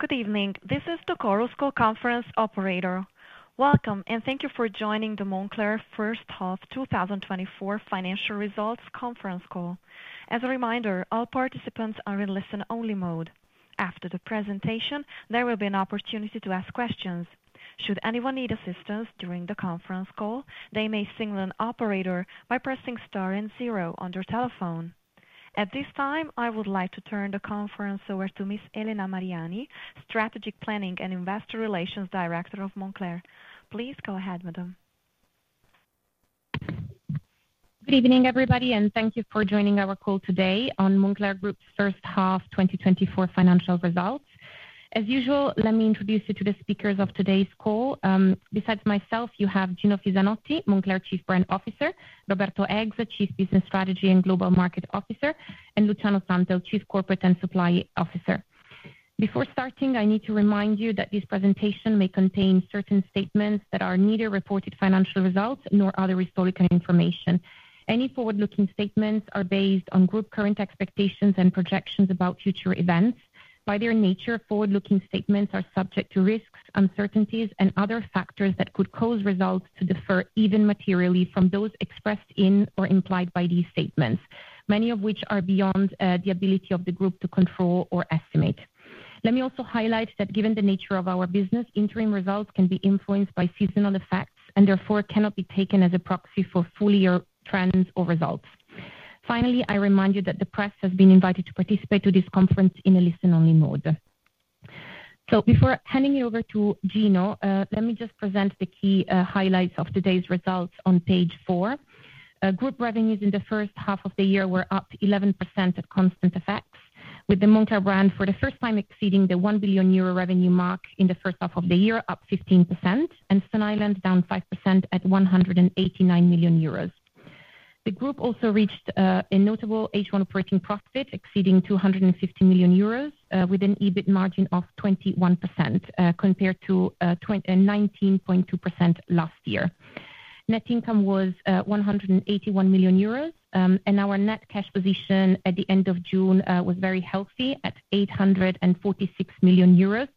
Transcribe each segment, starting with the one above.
Good evening. This is the Chorus Call conference operator. Welcome, and thank you for joining the Moncler First Half 2024 Financial Results Conference Call. As a reminder, all participants are in listen-only mode. After the presentation, there will be an opportunity to ask questions. Should anyone need assistance during the conference call, they may signal an operator by pressing star and zero on their telephone. At this time, I would like to turn the conference over to Ms. Elena Mariani, Strategic Planning and Investor Relations Director of Moncler. Please go ahead, madam. Good evening, everybody, and thank you for joining our call today on Moncler Group's First Half 2024 Financial Results. As usual, let me introduce you to the speakers of today's call. Besides myself, you have Gino Fisanotti, Moncler Chief Brand Officer; Roberto Eggs, Chief Business Strategy and Global Market Officer; and Luciano Santel, Chief Corporate and Supply Officer. Before starting, I need to remind you that this presentation may contain certain statements that are neither reported financial results nor other historical information. Any forward-looking statements are based on group current expectations and projections about future events. By their nature, forward-looking statements are subject to risks, uncertainties, and other factors that could cause results to differ, even materially, from those expressed in or implied by these statements, many of which are beyond the ability of the group to control or estimate. Let me also highlight that, given the nature of our business, interim results can be influenced by seasonal effects and therefore cannot be taken as a proxy for full-year trends or results. Finally, I remind you that the press has been invited to participate in this conference in a listen-only mode. So, before handing you over to Gino, let me just present the key highlights of today's results on page four. Group revenues in the first half of the year were up 11% at constant effects, with the Moncler brand for the first time exceeding the 1 billion euro revenue mark in the first half of the year, up 15%, and Stone Island down 5% at 189 million euros. The group also reached a notable H1 operating profit exceeding 250 million euros, with an EBIT margin of 21% compared to 19.2% last year. Net income was 181 million euros, and our net cash position at the end of June was very healthy at 846 million euros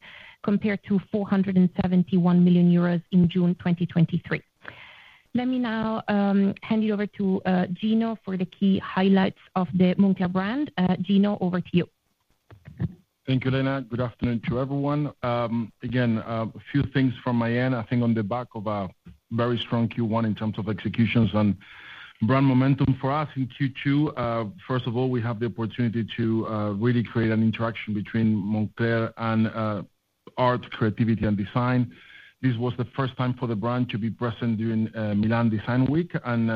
compared to 471 million euros in June 2023. Let me now hand you over to Gino for the key highlights of the Moncler brand. Gino, over to you. Thank you, Elena. Good afternoon to everyone. Again, a few things from my end. I think on the back of a very strong Q1 in terms of executions and brand momentum for us in Q2, first of all, we had the opportunity to really create an interaction between Moncler and art, creativity, and design. This was the first time for the brand to be present during Milan Design Week. And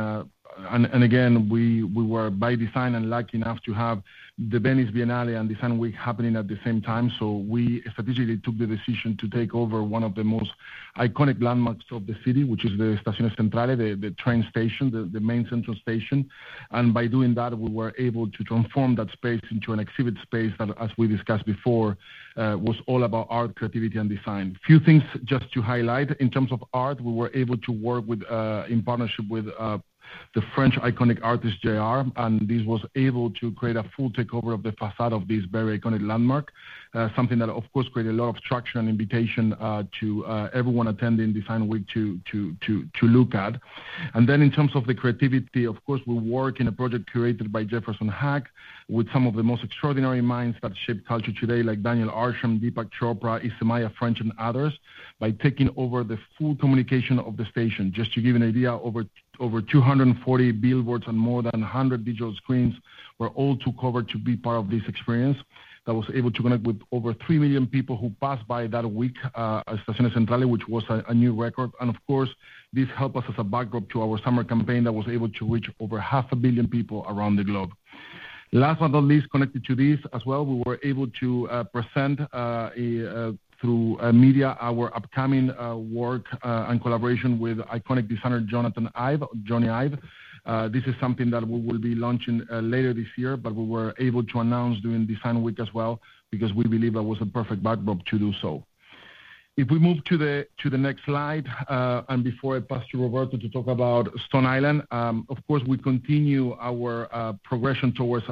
again, we were, by design, unlucky enough to have the Venice Biennale and Design Week happening at the same time. So, we strategically took the decision to take over one of the most iconic landmarks of the city, which is the Milano Centrale, the train station, the main central station. And by doing that, we were able to transform that space into an exhibit space that, as we discussed before, was all about art, creativity, and design. A few things just to highlight. In terms of art, we were able to work in partnership with the French iconic artist JR, and this was able to create a full takeover of the facade of this very iconic landmark, something that, of course, created a lot of traction and invitation to everyone attending Design Week to look at. Then, in terms of the creativity, of course, we worked in a project curated by Jefferson Hack with some of the most extraordinary minds that shape culture today, like Daniel Arsham, Deepak Chopra, Isamaya Ffrench, and others, by taking over the full communication of the station. Just to give you an idea, over 240 billboards and more than 100 digital screens were all too covered to be part of this experience. That was able to connect with over 3 million people who passed by that week at Milano Centrale, which was a new record. And of course, this helped us as a backdrop to our summer campaign that was able to reach over 500 million people around the globe. Last but not least, connected to this as well, we were able to present through media our upcoming work and collaboration with iconic designer Jony Ive. This is something that we will be launching later this year, but we were able to announce during Design Week as well because we believe that was a perfect backdrop to do so. If we move to the next slide, and before I pass to Roberto to talk about Stone Island, of course, we continue our progression towards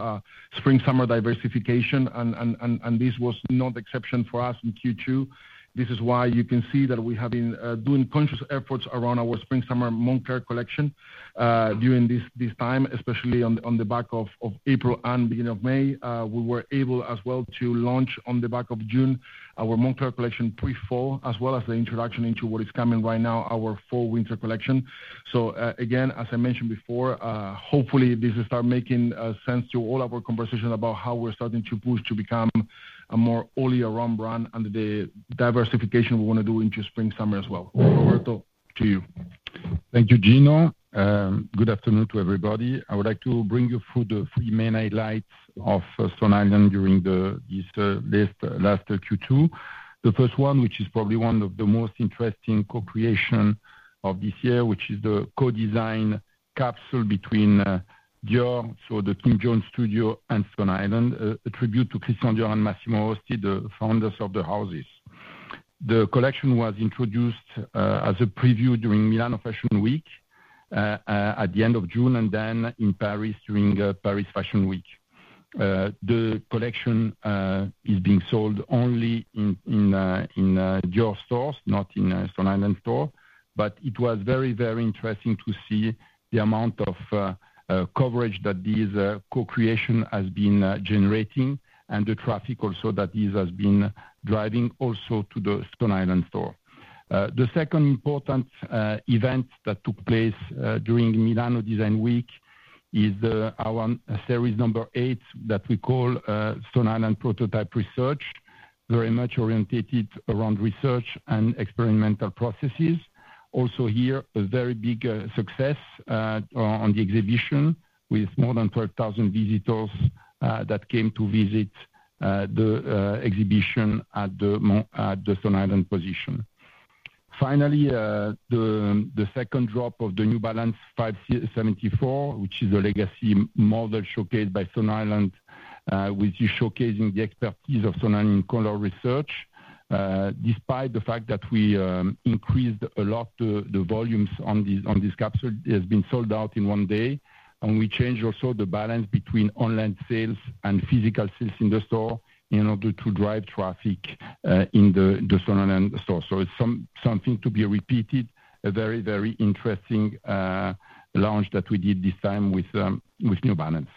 Spring/Summer diversification, and this was not the exception for us in Q2. This is why you can see that we have been doing conscious efforts around our Spring/Summer Moncler collection during this time, especially on the back of April and beginning of May. We were able as well to launch on the back of June our Moncler collection Pre-Fall, as well as the introduction into what is coming right now, our Fall/Winter collection. So again, as I mentioned before, hopefully this will start making sense to all our conversations about how we're starting to push to become a more all-year-round brand and the diversification we want to do into Spring/Summer as well. Roberto, to you. Thank you, Gino. Good afternoon to everybody. I would like to bring you through the three main highlights of Stone Island during this last Q2. The first one, which is probably one of the most interesting co-creations of this year, which is the co-design capsule between Dior, so the Kim Jones Studio, and Stone Island, a tribute to Christian Dior and Massimo Osti, the founders of the houses. The collection was introduced as a preview during Milan Fashion Week at the end of June and then in Paris during Paris Fashion Week. The collection is being sold only in Dior stores, not in Stone Island store, but it was very, very interesting to see the amount of coverage that this co-creation has been generating and the traffic also that this has been driving also to the Stone Island store. The second important event that took place during Milano Design Week is our series number 8 that we call Stone Island Prototype Research, very much oriented around research and experimental processes. Also here, a very big success on the exhibition with more than 12,000 visitors that came to visit the exhibition at the Stone Island position. Finally, the second drop of the New Balance 574, which is a legacy model showcased by Stone Island, with you showcasing the expertise of Stone Island in color research. Despite the fact that we increased a lot the volumes on this capsule, it has been sold out in one day, and we changed also the balance between online sales and physical sales in the store in order to drive traffic in the Stone Island store. So it's something to be repeated, a very, very interesting launch that we did this time with New Balance.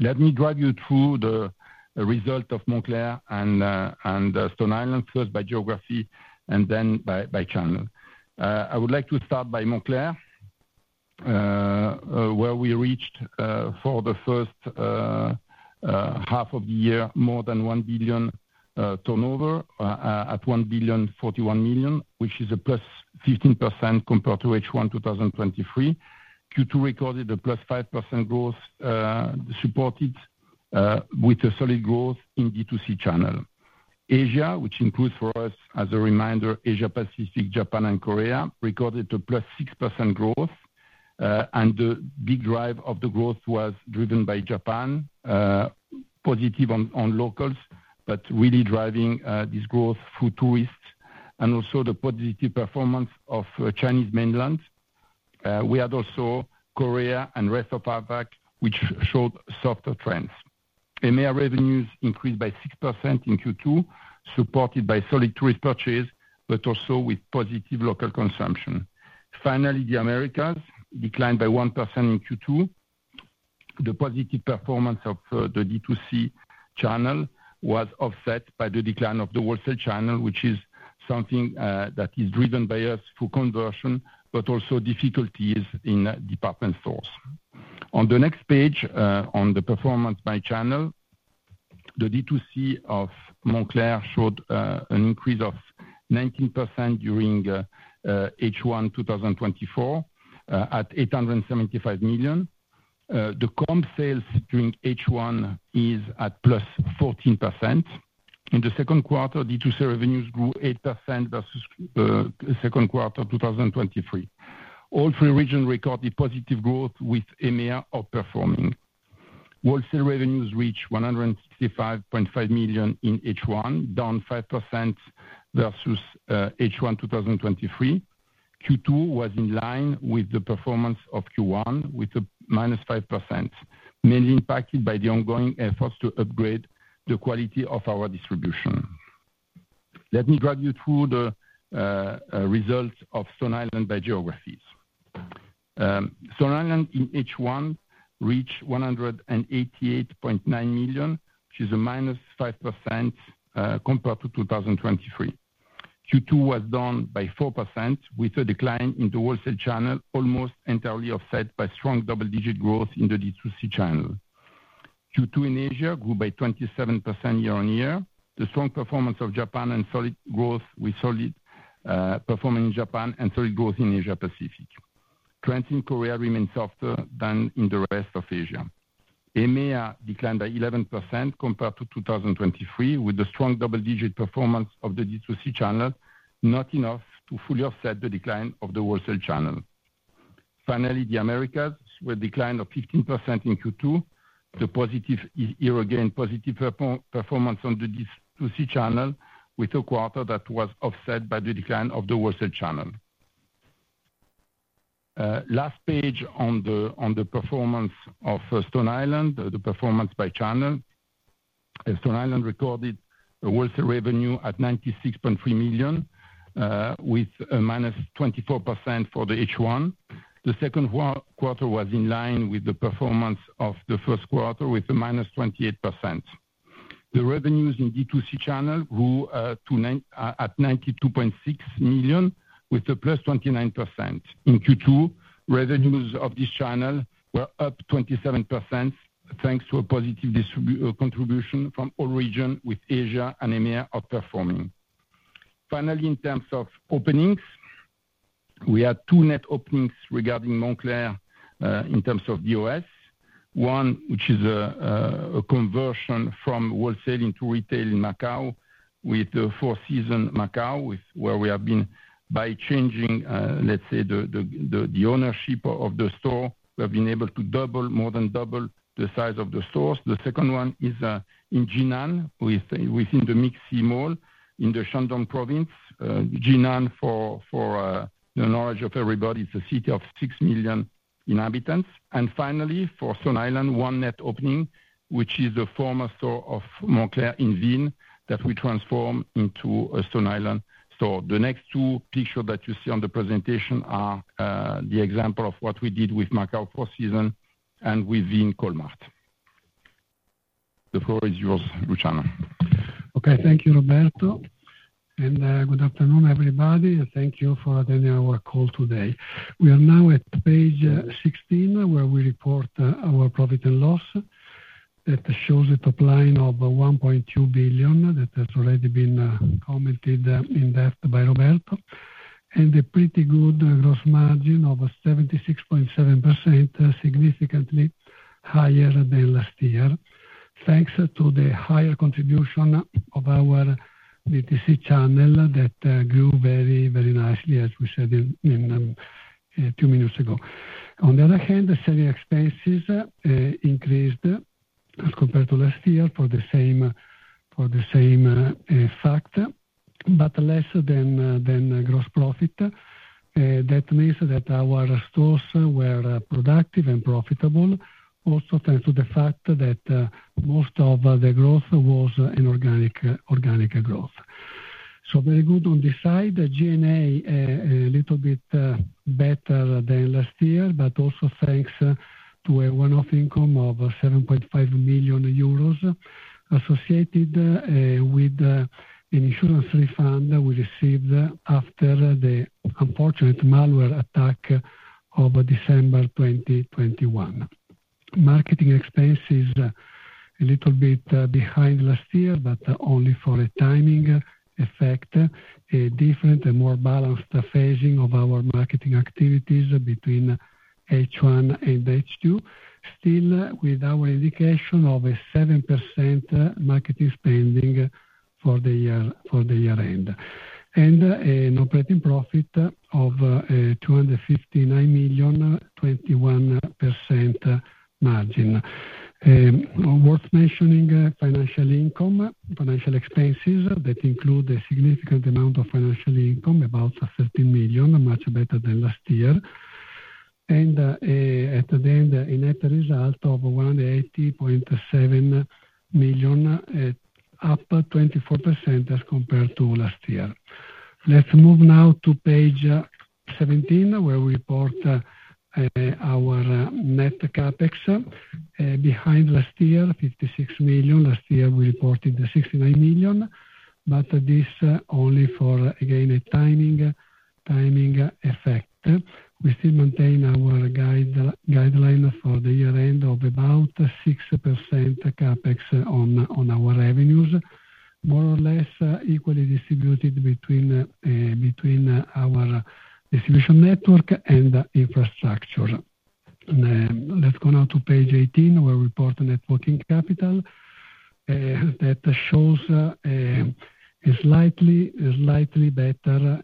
Let me drive you through the result of Moncler and Stone Island, first by geography and then by channel. I would like to start by Moncler, where we reached for the first half of the year more than 1 billion turnover at 1.041 billion, which is +15% compared to H1 2023. Q2 recorded +5% growth supported with a solid growth in D2C channel. Asia, which includes for us, as a reminder, Asia Pacific, Japan, and Korea, recorded +6% growth, and the big drive of the growth was driven by Japan, positive on locals, but really driving this growth through tourists and also the positive performance of Chinese mainland. We had also Korea and rest of APAC, which showed softer trends. EMEA revenues increased by 6% in Q2, supported by solid tourist purchase, but also with positive local consumption. Finally, the Americas declined by 1% in Q2. The positive performance of the D2C channel was offset by the decline of the wholesale channel, which is something that is driven by us through conversion, but also difficulties in department stores. On the next page, on the performance by channel, the D2C of Moncler showed an increase of 19% during H1 2024 at 875 million. The comp sales during H1 is at +14%. In the Q2, D2C revenues grew 8% versus Q2 2023. All three regions recorded positive growth, with EMEA outperforming. Wholesale revenues reached 165.5 million in H1, down 5% versus H1 2023. Q2 was in line with the performance of Q1, with a -5%, mainly impacted by the ongoing efforts to upgrade the quality of our distribution. Let me drive you through the results of Stone Island by geographies. Stone Island in H1 reached 188.9 million, which is a -5% compared to 2023. Q2 was down by 4%, with a decline in the wholesale channel, almost entirely offset by strong double-digit growth in the D2C channel. Q2 in Asia grew by 27% year-over-year. The strong performance of Japan and solid growth, with solid performance in Japan and solid growth in Asia Pacific. Trends in Korea remain softer than in the rest of Asia. EMEA declined by 11% compared to 2023, with the strong double-digit performance of the D2C channel, not enough to fully offset the decline of the wholesale channel. Finally, the Americas with a decline of 15% in Q2. The positive year-again positive performance on the D2C channel, with a quarter that was offset by the decline of the wholesale channel. Last page on the performance of Stone Island, the performance by channel. Stone Island recorded wholesale revenue at 96.3 million, with a -24% for the H1. The Q2 was in line with the performance of the Q1, with a -28%. The revenues in D2C channel grew at 92.6 million, with a +29%. In Q2, revenues of this channel were up 27% thanks to a positive contribution from all regions, with Asia and EMEA outperforming. Finally, in terms of openings, we had two net openings regarding Moncler in terms of DOS. One, which is a conversion from wholesale into retail in Macau, with the Four Seasons Macau, where we have been, by changing, let's say, the ownership of the store, we have been able to double, more than double the size of the stores. The second one is in Jinan, within The MixC in the Shandong province. Jinan, for the knowledge of everybody, is a city of six million inhabitants. And finally, for Stone Island, one net opening, which is the former store of Moncler in Vienna that we transformed into a Stone Island store. The next two pictures that you see on the presentation are the example of what we did with Macau Four Seasons and with Vienna Kohlmarkt. The floor is yours, Luciano. Okay, thank you, Roberto, and good afternoon, everybody, and thank you for attending our call today. We are now at page 16, where we report our profit and loss. It shows a top line of 1.2 billion that has already been commented in depth by Roberto, and a pretty good gross margin of 76.7%, significantly higher than last year, thanks to the higher contribution of our DTC channel that grew very, very nicely, as we said a few minutes ago. On the other hand, the selling expenses increased as compared to last year for the same fact, but less than gross profit. That means that our stores were productive and profitable, also thanks to the fact that most of the growth was in organic growth. So very good on this side. G&A a little bit better than last year, but also thanks to a one-off income of 7.5 million euros associated with an insurance refund we received after the unfortunate malware attack of December 2021. Marketing expenses a little bit behind last year, but only for a timing effect, a different and more balanced phasing of our marketing activities between H1 and H2, still with our indication of a 7% marketing spending for the year-end, and an operating profit of 259 million, 21% margin. Worth mentioning financial income, financial expenses that include a significant amount of financial income, about 13 million, much better than last year, and at the end, a net result of 180.7 million, up 24% as compared to last year. Let's move now to page 17, where we report our net CapEx behind last year, 56 million. Last year, we reported 69 million, but this only for, again, a timing effect. We still maintain our guideline for the year-end of about 6% CapEx on our revenues, more or less equally distributed between our distribution network and infrastructure. Let's go now to page 18, where we report net working capital. That shows a slightly better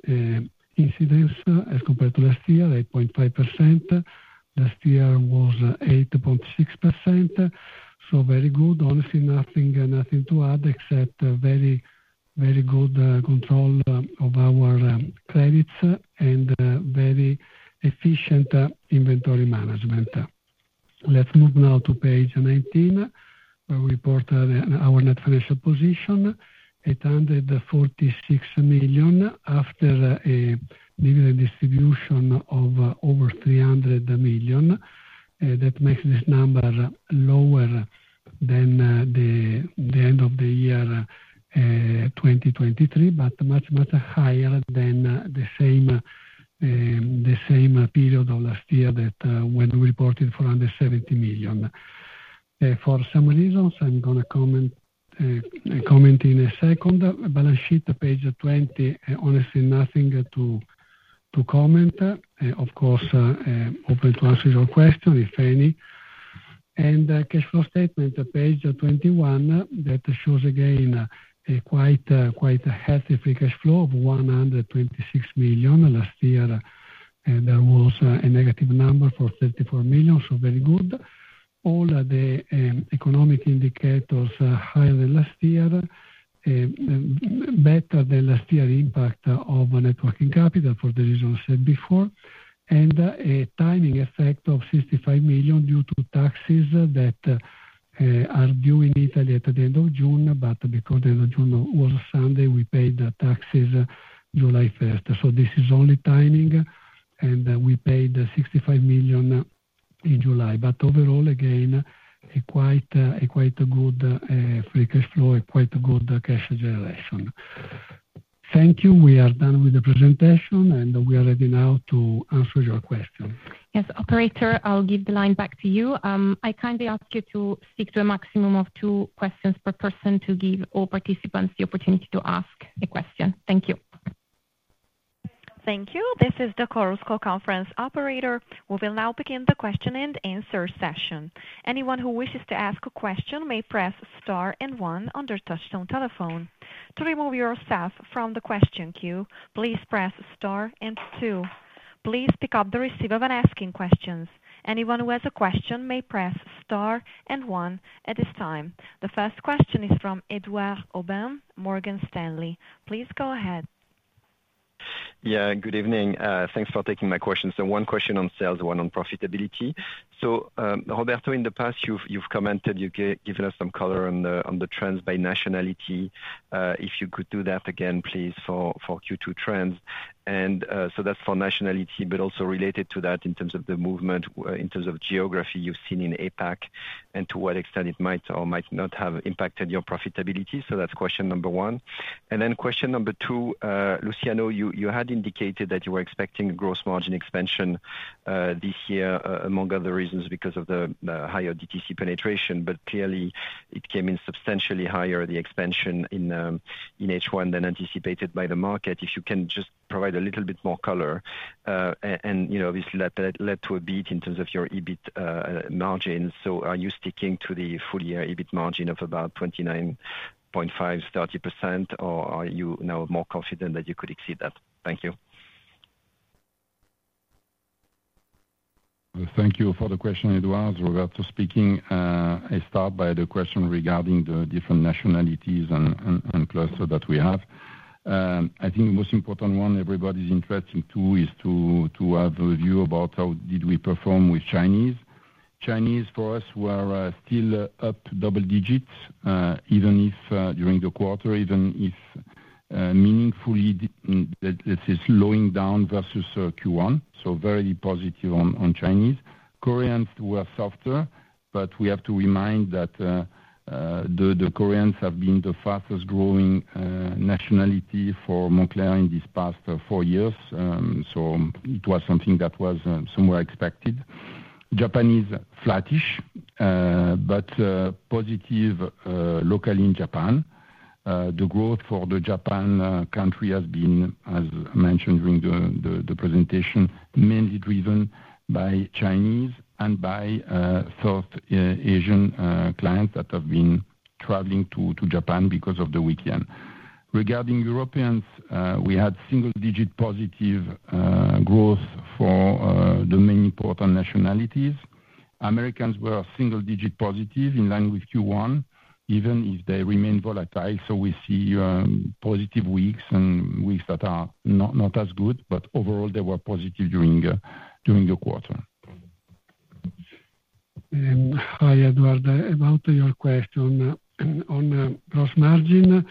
incidence as compared to last year, 8.5%. Last year was 8.6%. So very good. Honestly, nothing to add except very, very good control of our credits and very efficient inventory management. Let's move now to page 19, where we report our net financial position, 846 million after a dividend distribution of over 300 million. That makes this number lower than the end of the year 2023, but much, much higher than the same period of last year when we reported 170 million. For some reasons, I'm going to comment in a second. Balance sheet, page 20. Honestly, nothing to comment. Of course, open to answer your question if any. Cash flow statement, page 21, that shows again a quite healthy free cash flow of 126 million. Last year, there was a negative number for 34 million, so very good. All the economic indicators higher than last year, better than last year impact of net working capital for the reasons I said before, and a timing effect of 65 million due to taxes that are due in Italy at the end of June, but because the end of June was a Sunday, we paid the taxes July 1st. So this is only timing, and we paid 65 million in July. But overall, again, a quite good free cash flow, a quite good cash generation. Thank you. We are done with the presentation, and we are ready now to answer your question. Yes, Operator, I'll give the line back to you. I kindly ask you to stick to a maximum of two questions per person to give all participants the opportunity to ask a question. Thank you. Thank you. This is the Chorus Call Conference Operator. We will now begin the question and answer session. Anyone who wishes to ask a question may press star and one on their touch-tone telephone. To remove yourself from the question queue, please press star and two. Please pick up the receiver when asking questions. Anyone who has a question may press star and one at this time. The first question is from Édouard Aubin, Morgan Stanley. Please go ahead. Yeah, good evening. Thanks for taking my question. So one question on sales, one on profitability. So Roberto, in the past, you've commented, you've given us some color on the trends by nationality. If you could do that again, please, for Q2 trends. And so that's for nationality, but also related to that in terms of the movement, in terms of geography you've seen in APAC, and to what extent it might or might not have impacted your profitability. So that's question number one. And then question number two, Luciano, you had indicated that you were expecting gross margin expansion this year among other reasons because of the higher DTC penetration, but clearly it came in substantially higher, the expansion in H1, than anticipated by the market. If you can just provide a little bit more color. And obviously, that led to a beat in terms of your EBIT margin. Are you sticking to the full-year EBIT margin of about 29.5%, 30%, or are you now more confident that you could exceed that? Thank you. Thank you for the question, Édouard. Roberto speaking. I start by the question regarding the different nationalities and clusters that we have. I think the most important one, everybody's interest in too, is to have a view about how did we perform with Chinese. Chinese for us were still up double digits, even if during the quarter, even if meaningfully, let's say, slowing down versus Q1. So very positive on Chinese. Koreans were softer, but we have to remind that the Koreans have been the fastest growing nationality for Moncler in these past four years. So it was something that was somewhere expected. Japanese flattish, but positive locally in Japan. The growth for the Japan country has been, as mentioned during the presentation, mainly driven by Chinese and by South Asian clients that have been traveling to Japan because of the weekend. Regarding Europeans, we had single-digit positive growth for the main important nationalities. Americans were single-digit positive in line with Q1, even if they remained volatile. So we see positive weeks and weeks that are not as good, but overall, they were positive during the quarter. Hi, Édouard. About your question on gross margin,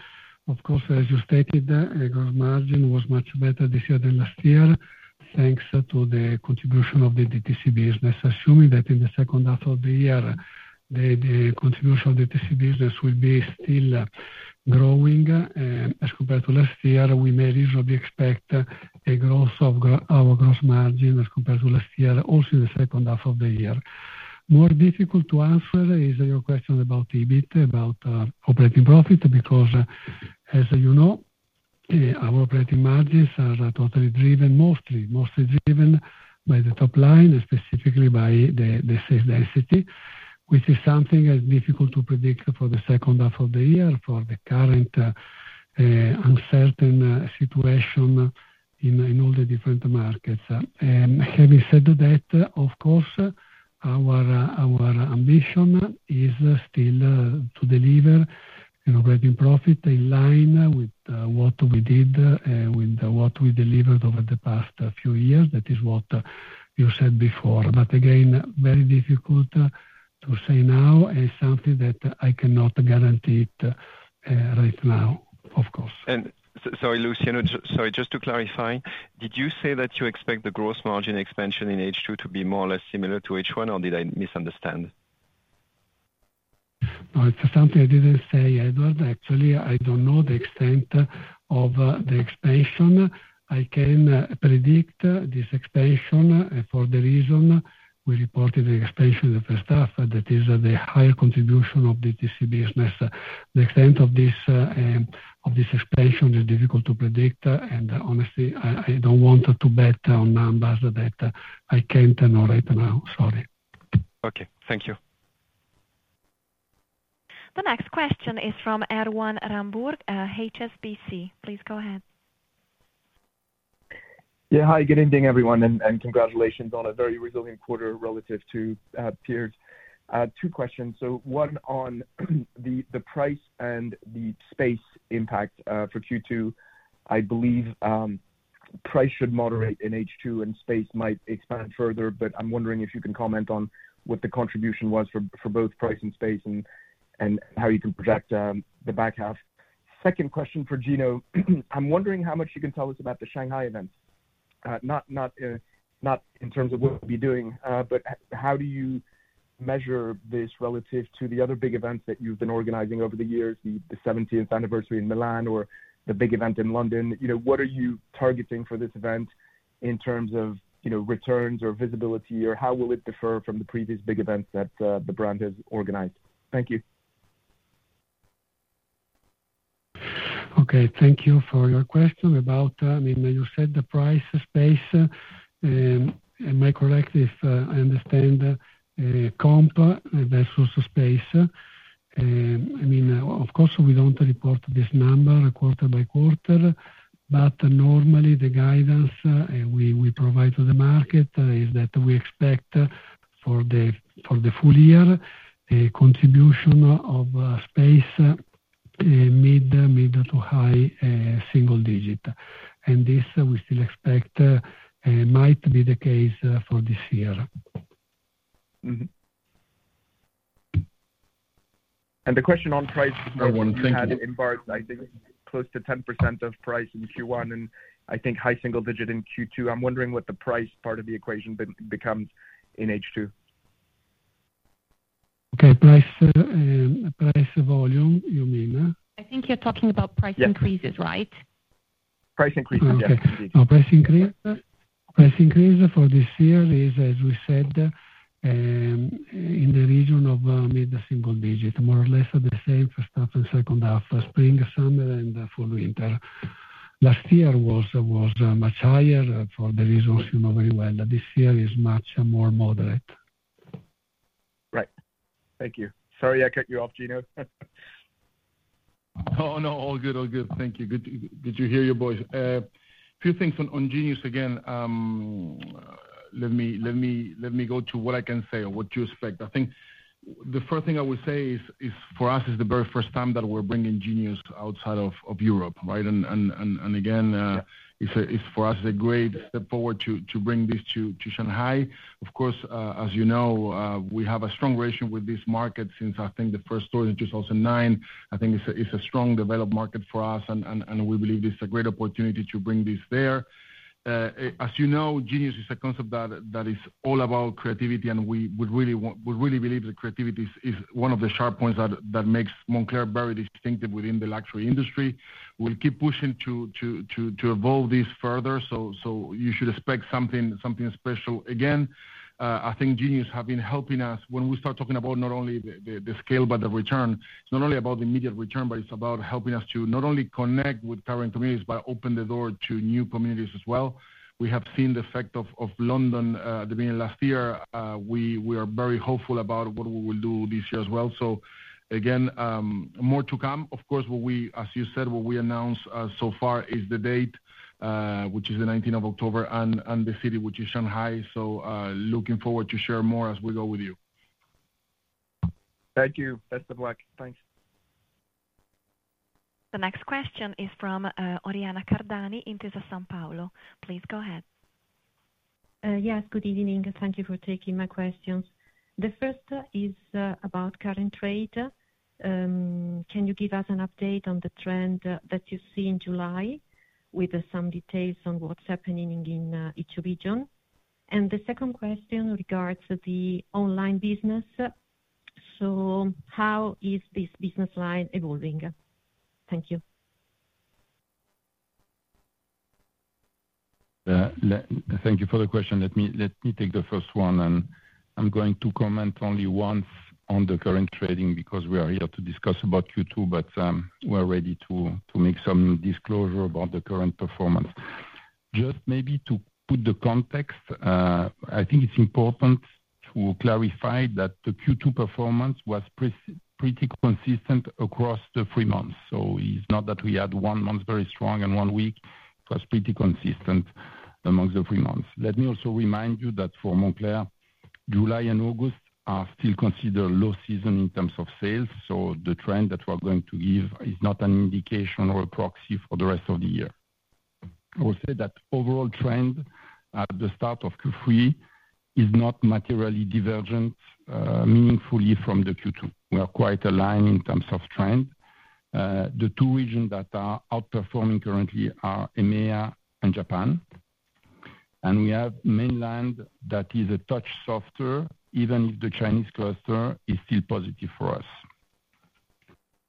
of course, as you stated, gross margin was much better this year than last year thanks to the contribution of the DTC business. Assuming that in the second half of the year, the contribution of the DTC business will be still growing as compared to last year, we may reasonably expect a growth of our gross margin as compared to last year, also in the second half of the year. More difficult to answer is your question about EBIT, about operating profit, because, as you know, our operating margins are totally driven, mostly driven by the top line and specifically by the sales density, which is something difficult to predict for the second half of the year for the current uncertain situation in all the different markets. Having said that, of course, our ambition is still to deliver an operating profit in line with what we did and with what we delivered over the past few years. That is what you said before. But again, very difficult to say now, and it's something that I cannot guarantee it right now, of course. Sorry, Luciano, sorry, just to clarify, did you say that you expect the gross margin expansion in H2 to be more or less similar to H1, or did I misunderstand? No, it's something I didn't say, Édouard. Actually, I don't know the extent of the expansion. I can predict this expansion for the reason we reported the expansion in the first half, that is the higher contribution of the DTC business. The extent of this expansion is difficult to predict, and honestly, I don't want to bet on numbers that I can't know right now. Sorry. Okay, thank you. The next question is from Erwan Rambourg, HSBC. Please go ahead. Yeah, hi, good evening, everyone, and congratulations on a very resilient quarter relative to peers. Two questions. So one on the price and the space impact for Q2. I believe price should moderate in H2, and space might expand further, but I'm wondering if you can comment on what the contribution was for both price and space and how you can project the back half. Second question for Gino. I'm wondering how much you can tell us about the Shanghai events, not in terms of what you'll be doing, but how do you measure this relative to the other big events that you've been organizing over the years, the 17th anniversary in Milan or the big event in London? What are you targeting for this event in terms of returns or visibility, or how will it differ from the previous big events that the brand has organized? Thank you. Okay, thank you for your question about, I mean, you said the price space. Am I correct if I understand comp versus space? I mean, of course, we don't report this number quarter by quarter, but normally the guidance we provide to the market is that we expect for the full year a contribution of space, mid- to high-single-digit. And this we still expect might be the case for this year. The question on price was more about in part, I think close to 10% of price in Q1, and I think high single digit in Q2. I'm wondering what the price part of the equation becomes in H2. Okay, price volume, you mean? I think you're talking about price increases, right? Price increases, yes. Okay. Price increase. Price increase for this year is, as we said, in the region of mid- to single-digit, more or less the same for stuff in second half, Spring/Summer, and Fall/Winter. Last year was much higher for the reasons you know very well. This year is much more moderate. Right. Thank you. Sorry, I cut you off, Gino. No, no, all good, all good. Thank you. Did you hear your voice? A few things on Genius again. Let me go to what I can say or what you expect. I think the first thing I would say is for us, it's the very first time that we're bringing Genius outside of Europe, right? And again, it's for us a great step forward to bring this to Shanghai. Of course, as you know, we have a strong relation with this market since I think the first store in 2009. I think it's a strong developed market for us, and we believe it's a great opportunity to bring this there. As you know, Genius is a concept that is all about creativity, and we really believe that creativity is one of the sharp points that makes Moncler very distinctive within the luxury industry. We'll keep pushing to evolve this further, so you should expect something special. Again, I think Genius has been helping us when we start talking about not only the scale, but the return. It's not only about the immediate return, but it's about helping us to not only connect with current communities, but open the door to new communities as well. We have seen the effect of London the beginning of last year. We are very hopeful about what we will do this year as well. So again, more to come. Of course, as you said, what we announced so far is the date, which is the 19th of October, and the city, which is Shanghai. So looking forward to share more as we go with you. Thank you. Best of luck. Thanks. The next question is from Oriana Cardani at Intesa Sanpaolo. Please go ahead. Yes, good evening. Thank you for taking my questions. The first is about current rate. Can you give us an update on the trend that you see in July with some details on what's happening in each region? And the second question regards the online business. So how is this business line evolving? Thank you. Thank you for the question. Let me take the first one, and I'm going to comment only once on the current trading because we are here to discuss about Q2, but we're ready to make some disclosure about the current performance. Just maybe to put the context, I think it's important to clarify that the Q2 performance was pretty consistent across the three months. So it's not that we had one month very strong and one weak. It was pretty consistent among the three months. Let me also remind you that for Moncler, July and August are still considered low season in terms of sales. So the trend that we're going to give is not an indication or a proxy for the rest of the year. I will say that overall trend at the start of Q3 is not materially divergent meaningfully from the Q2. We are quite aligned in terms of trend. The two regions that are outperforming currently are EMEA and Japan. We have mainland that is a touch softer, even if the Chinese cluster is still positive for us.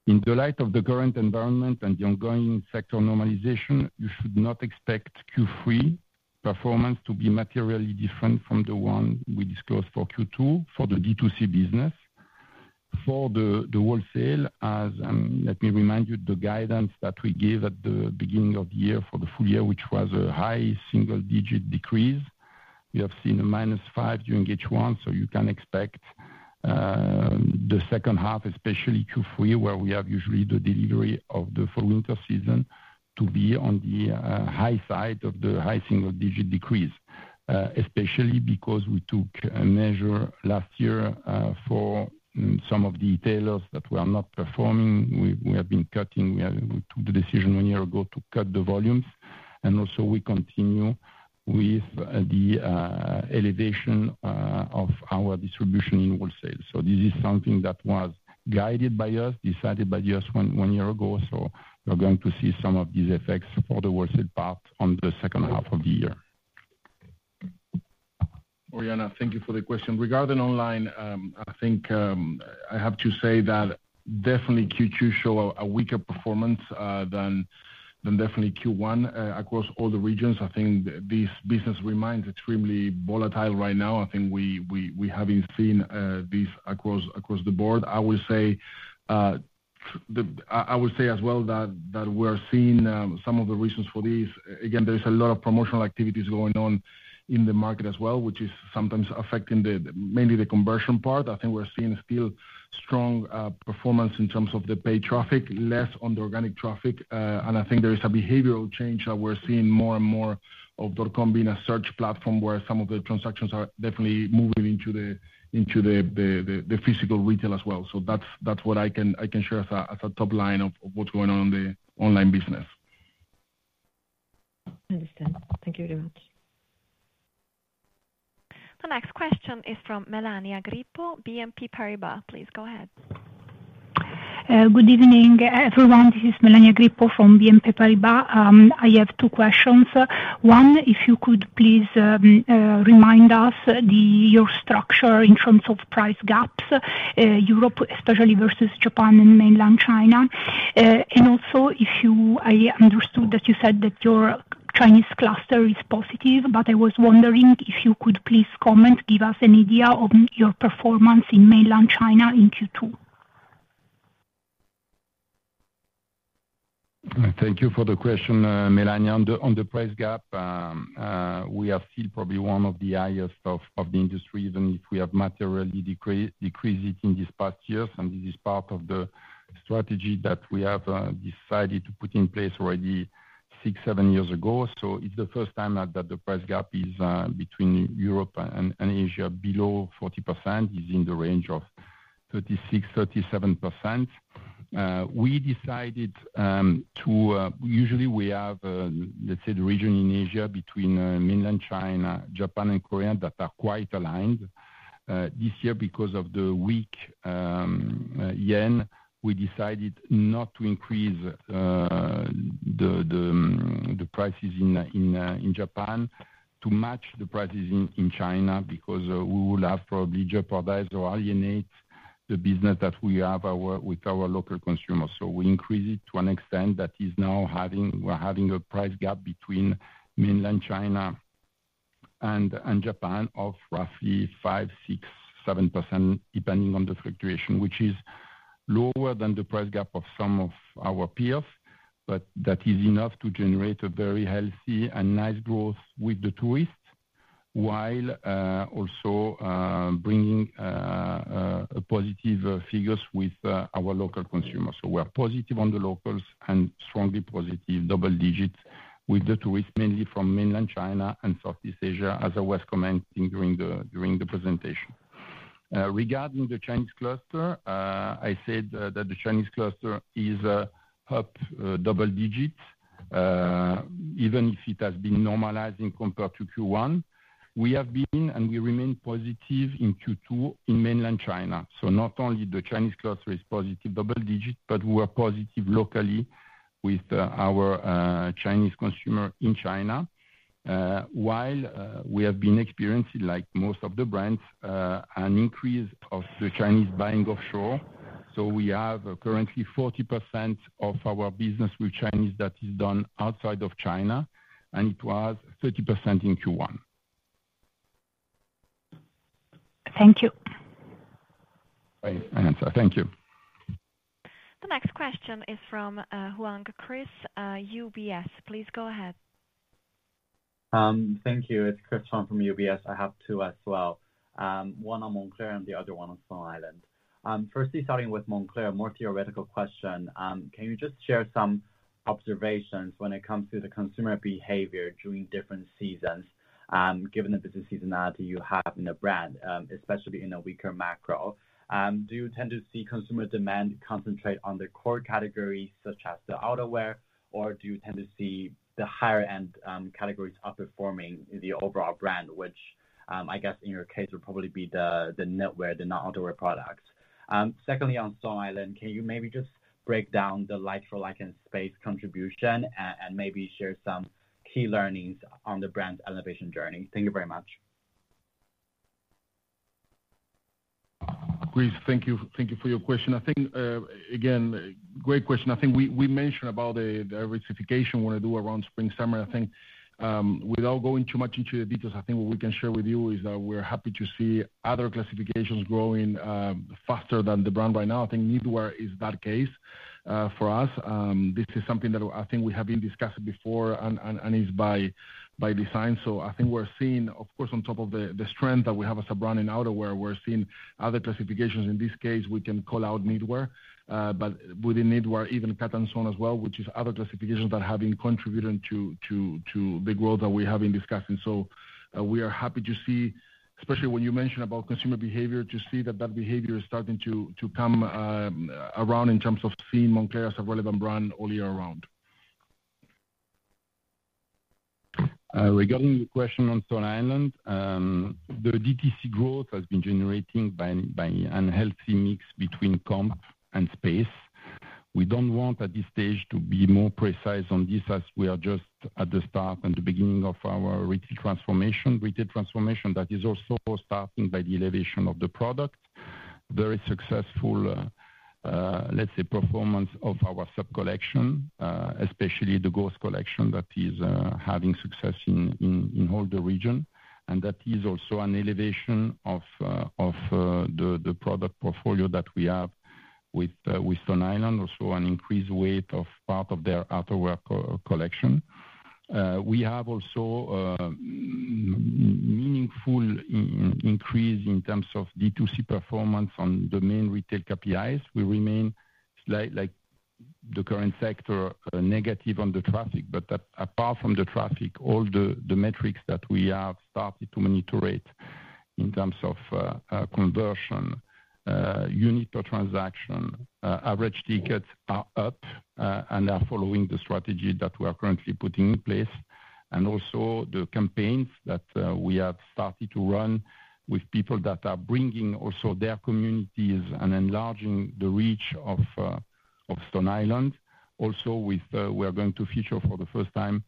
In the light of the current environment and the ongoing sector normalization, you should not expect Q3 performance to be materially different from the one we disclosed for Q2 for the D2C business. For the wholesale, let me remind you the guidance that we gave at the beginning of the year for the full year, which was a high single-digit decrease. We have seen a -5 during H1, so you can expect the second half, especially Q3, where we have usually the delivery of the Fall/Winter season to be on the high side of the high single-digit decrease, especially because we took a measure last year for some of the retailers that were not performing. We have been cutting. We took the decision one year ago to cut the volumes, and also we continue with the elevation of our distribution in wholesale. So this is something that was guided by us, decided by us one year ago. So we're going to see some of these effects for the wholesale part on the second half of the year. Oriana, thank you for the question. Regarding online, I think I have to say that definitely Q2 showed a weaker performance than definitely Q1 across all the regions. I think this business remains extremely volatile right now. I think we haven't seen this across the board. I will say as well that we're seeing some of the reasons for this. Again, there's a lot of promotional activities going on in the market as well, which is sometimes affecting mainly the conversion part. I think we're seeing still strong performance in terms of the paid traffic, less on the organic traffic. I think there is a behavioral change that we're seeing more and more of dot-com being a search platform where some of the transactions are definitely moving into the physical retail as well. That's what I can share as a top line of what's going on in the online business. Understood. Thank you very much. The next question is from Melania Grippo, BNP Paribas. Please go ahead. Good evening, everyone. This is Melania Grippo from BNP Paribas. I have two questions. One, if you could please remind us your structure in terms of price gaps, Europe especially versus Japan and mainland China. And also, I understood that you said that your Chinese cluster is positive, but I was wondering if you could please comment, give us an idea of your performance in mainland China in Q2. Thank you for the question, Melania. On the price gap, we are still probably one of the highest of the industry, even if we have materially decreased it in these past years. This is part of the strategy that we have decided to put in place already 6, 7 years ago. It's the first time that the price gap is between Europe and Asia below 40%. It's in the range of 36%-37%. We decided to usually we have, let's say, the region in Asia between mainland China, Japan, and Korea that are quite aligned. This year, because of the weak yen, we decided not to increase the prices in Japan to match the prices in China because we will have probably jeopardized or alienate the business that we have with our local consumers. So we increased it to an extent that we're having a price gap between mainland China and Japan of roughly 5, 6, 7%, depending on the fluctuation, which is lower than the price gap of some of our peers, but that is enough to generate a very healthy and nice growth with the tourists while also bringing positive figures with our local consumers. So we're positive on the locals and strongly positive double digits with the tourists, mainly from mainland China and Southeast Asia, as I was commenting during the presentation. Regarding the Chinese cluster, I said that the Chinese cluster is up double digits, even if it has been normalizing compared to Q1. We have been and we remain positive in Q2 in mainland China. So not only the Chinese cluster is positive double digits, but we're positive locally with our Chinese consumer in China, while we have been experiencing, like most of the brands, an increase of the Chinese buying offshore. So we have currently 40% of our business with Chinese that is done outside of China, and it was 30% in Q1. Thank you. Thank you. The next question is from Chris Huang, UBS. Please go ahead. Thank you. It's Chris from UBS. I have two as well. One on Moncler and the other one on Stone Island. Firstly, starting with Moncler, a more theoretical question. Can you just share some observations when it comes to the consumer behavior during different seasons, given the business seasonality you have in the brand, especially in a weaker macro? Do you tend to see consumer demand concentrate on the core categories such as the outerwear, or do you tend to see the higher-end categories outperforming the overall brand, which I guess in your case would probably be the knitwear, the non-outerwear products? Secondly, on Stone Island, can you maybe just break down the like-for-like and space contribution and maybe share some key learnings on the brand's elevation journey? Thank you very much. Great. Thank you for your question. I think, again, great question. I think we mentioned about the classification we want to do around Spring/Summer. I think without going too much into the details, I think what we can share with you is that we're happy to see other classifications growing faster than the brand right now. I think knitwear is that case for us. This is something that I think we have been discussing before and is by design. So I think we're seeing, of course, on top of the strength that we have as a brand in outerwear, we're seeing other classifications. In this case, we can call out knitwear, but within knitwear, even cut and sewn as well, which is other classifications that have been contributing to the growth that we have been discussing. So we are happy to see, especially when you mentioned about consumer behavior, to see that that behavior is starting to come around in terms of seeing Moncler as a relevant brand all year around. Regarding your question on Stone Island, the DTC growth has been generated by a healthy mix between comp and space. We don't want at this stage to be more precise on this as we are just at the start and the beginning of our retail transformation. Retail transformation that is also starting by the elevation of the product. Very successful, let's say, performance of our sub-collection, especially the Ghost collection that is having success in all the region. And that is also an elevation of the product portfolio that we have with Stone Island, also an increased weight of part of their outerwear collection. We have also a meaningful increase in terms of D2C performance on the main retail KPIs. We remain, like the current sector, negative on the traffic, but apart from the traffic, all the metrics that we have started to monitor in terms of conversion, unit per transaction, average tickets are up and are following the strategy that we are currently putting in place. Also the campaigns that we have started to run with people that are bringing also their communities and enlarging the reach of Stone Island. Also, we are going to feature for the first time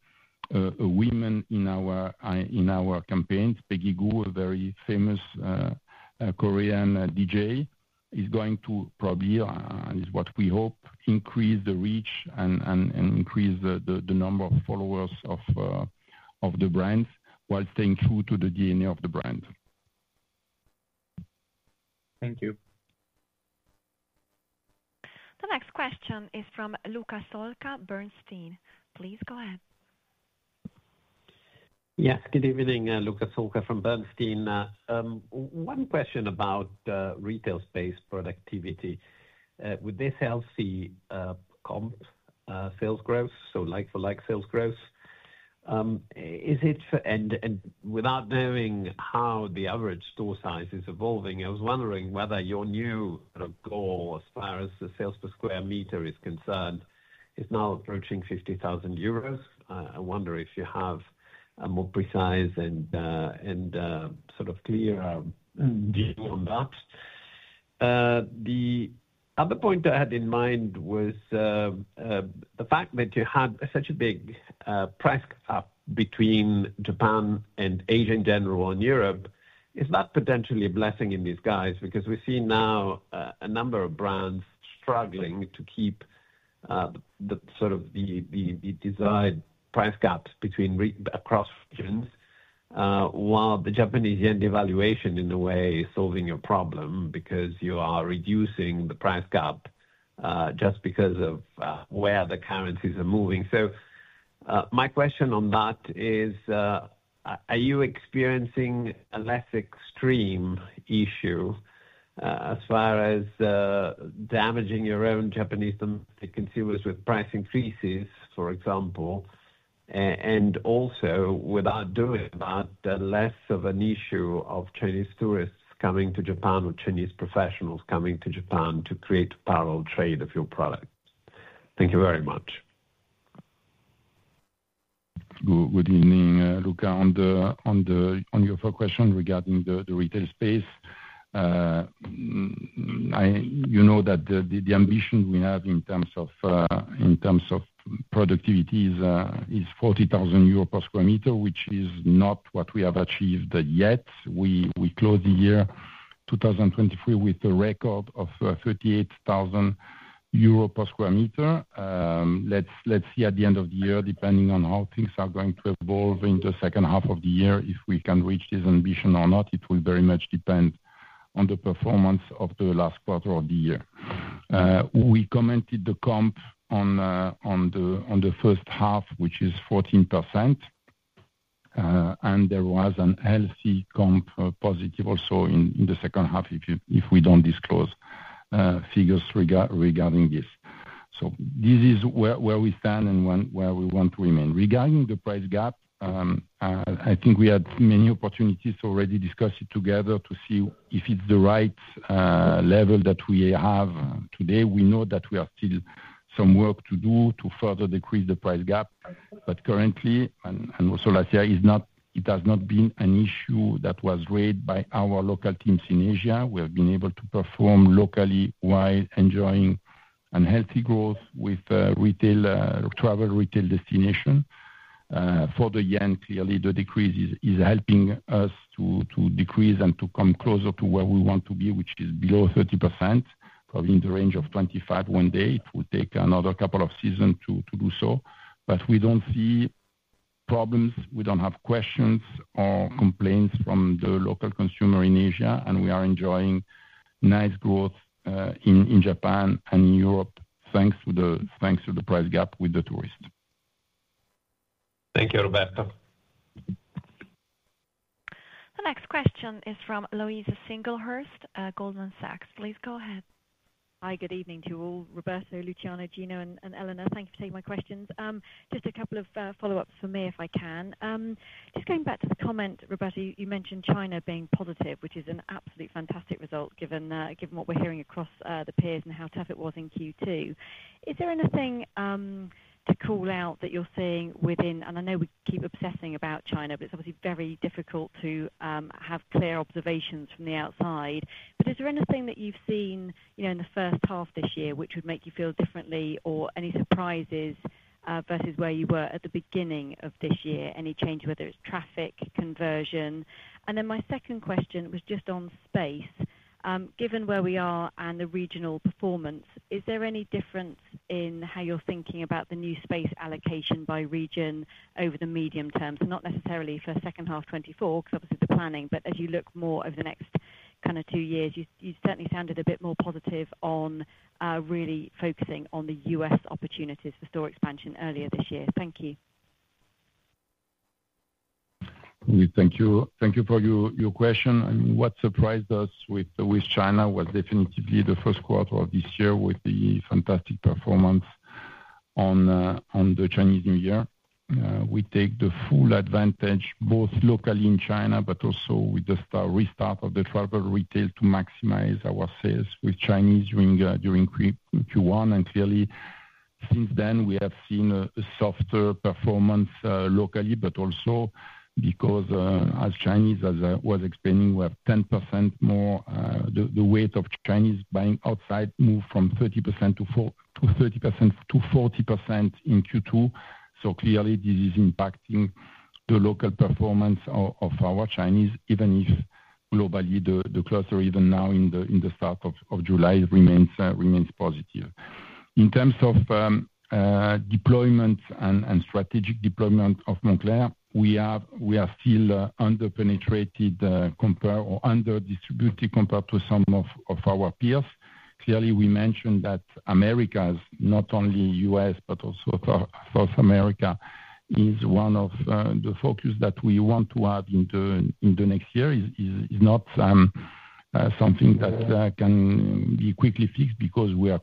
a woman in our campaigns. Peggy Gou, a very famous Korean DJ, is going to probably, and it's what we hope, increase the reach and increase the number of followers of the brand while staying true to the DNA of the brand. Thank you. The next question is from Luca Solca, Bernstein. Please go ahead. Yes, good evening, Luca Solca from Bernstein. One question about retail space productivity. Would this help see comp sales growth, so like-for-like sales growth? And without knowing how the average store size is evolving, I was wondering whether your new goal as far as the sales per square meter is concerned is now approaching 50,000 euros. I wonder if you have a more precise and sort of clear view on that. The other point I had in mind was the fact that you had such a big price gap between Japan and Asia in general and Europe. Is that potentially a blessing in disguise? Because we see now a number of brands struggling to keep sort of the desired price gaps across regions, while the Japanese yen devaluation in a way is solving your problem because you are reducing the price gap just because of where the currencies are moving. My question on that is, are you experiencing a less extreme issue as far as damaging your own Japanese domestic consumers with price increases, for example? And also, without doing that, less of an issue of Chinese tourists coming to Japan or Chinese professionals coming to Japan to create parallel trade of your products? Thank you very much. Good evening, Luca, on your first question regarding the retail space. You know that the ambition we have in terms of productivity is 40,000 euros per square meter, which is not what we have achieved yet. We closed the year 2023 with a record of 38,000 euro per square meter. Let's see at the end of the year, depending on how things are going to evolve in the second half of the year, if we can reach this ambition or not, it will very much depend on the performance of the last quarter of the year. We commented the comp on the first half, which is 14%, and there was a healthy comp positive also in the second half if we don't disclose figures regarding this. So this is where we stand and where we want to remain. Regarding the price gap, I think we had many opportunities to already discuss it together to see if it's the right level that we have today. We know that we have still some work to do to further decrease the price gap, but currently, and also last year, it has not been an issue that was raised by our local teams in Asia. We have been able to perform locally while enjoying a healthy growth with travel retail destination. For the yen, clearly, the decrease is helping us to decrease and to come closer to where we want to be, which is below 30%, probably in the range of 25 one day. It will take another couple of seasons to do so. But we don't see problems. We don't have questions or complaints from the local consumer in Asia, and we are enjoying nice growth in Japan and in Europe thanks to the price gap with the tourist. Thank you, Roberto. The next question is from Louise Singlehurst, Goldman Sachs. Please go ahead. Hi, good evening to you all, Roberto, Luciano, Gino, and Elena. Thank you for taking my questions. Just a couple of follow-ups for me, if I can. Just going back to the comment, Roberto, you mentioned China being positive, which is an absolutely fantastic result given what we're hearing across the peers and how tough it was in Q2. Is there anything to call out that you're seeing within? And I know we keep obsessing about China, but it's obviously very difficult to have clear observations from the outside. But is there anything that you've seen in the first half this year which would make you feel differently or any surprises versus where you were at the beginning of this year? Any change, whether it's traffic, conversion? And then my second question was just on space. Given where we are and the regional performance, is there any difference in how you're thinking about the new space allocation by region over the medium term? So not necessarily for second half 2024, because obviously the planning, but as you look more over the next kind of two years, you certainly sounded a bit more positive on really focusing on the U.S. opportunities for store expansion earlier this year. Thank you. Thank you for your question. I mean, what surprised us with China was definitely the Q1 of this year with the fantastic performance on the Chinese New Year. We take the full advantage both locally in China, but also with the restart of the travel retail to maximize our sales with Chinese during Q1. Clearly, since then, we have seen a softer performance locally, but also because, as Chinese, as I was explaining, we have 10% more the weight of Chinese buying outside moved from 30% to 30% to 40% in Q2. Clearly, this is impacting the local performance of our Chinese, even if globally the cluster, even now in the start of July, remains positive. In terms of deployment and strategic deployment of Moncler, we are still underpenetrated or under-distributed compared to some of our peers. Clearly, we mentioned that Americas, not only U.S., but also South America is one of the focus that we want to have in the next year. It's not something that can be quickly fixed because we are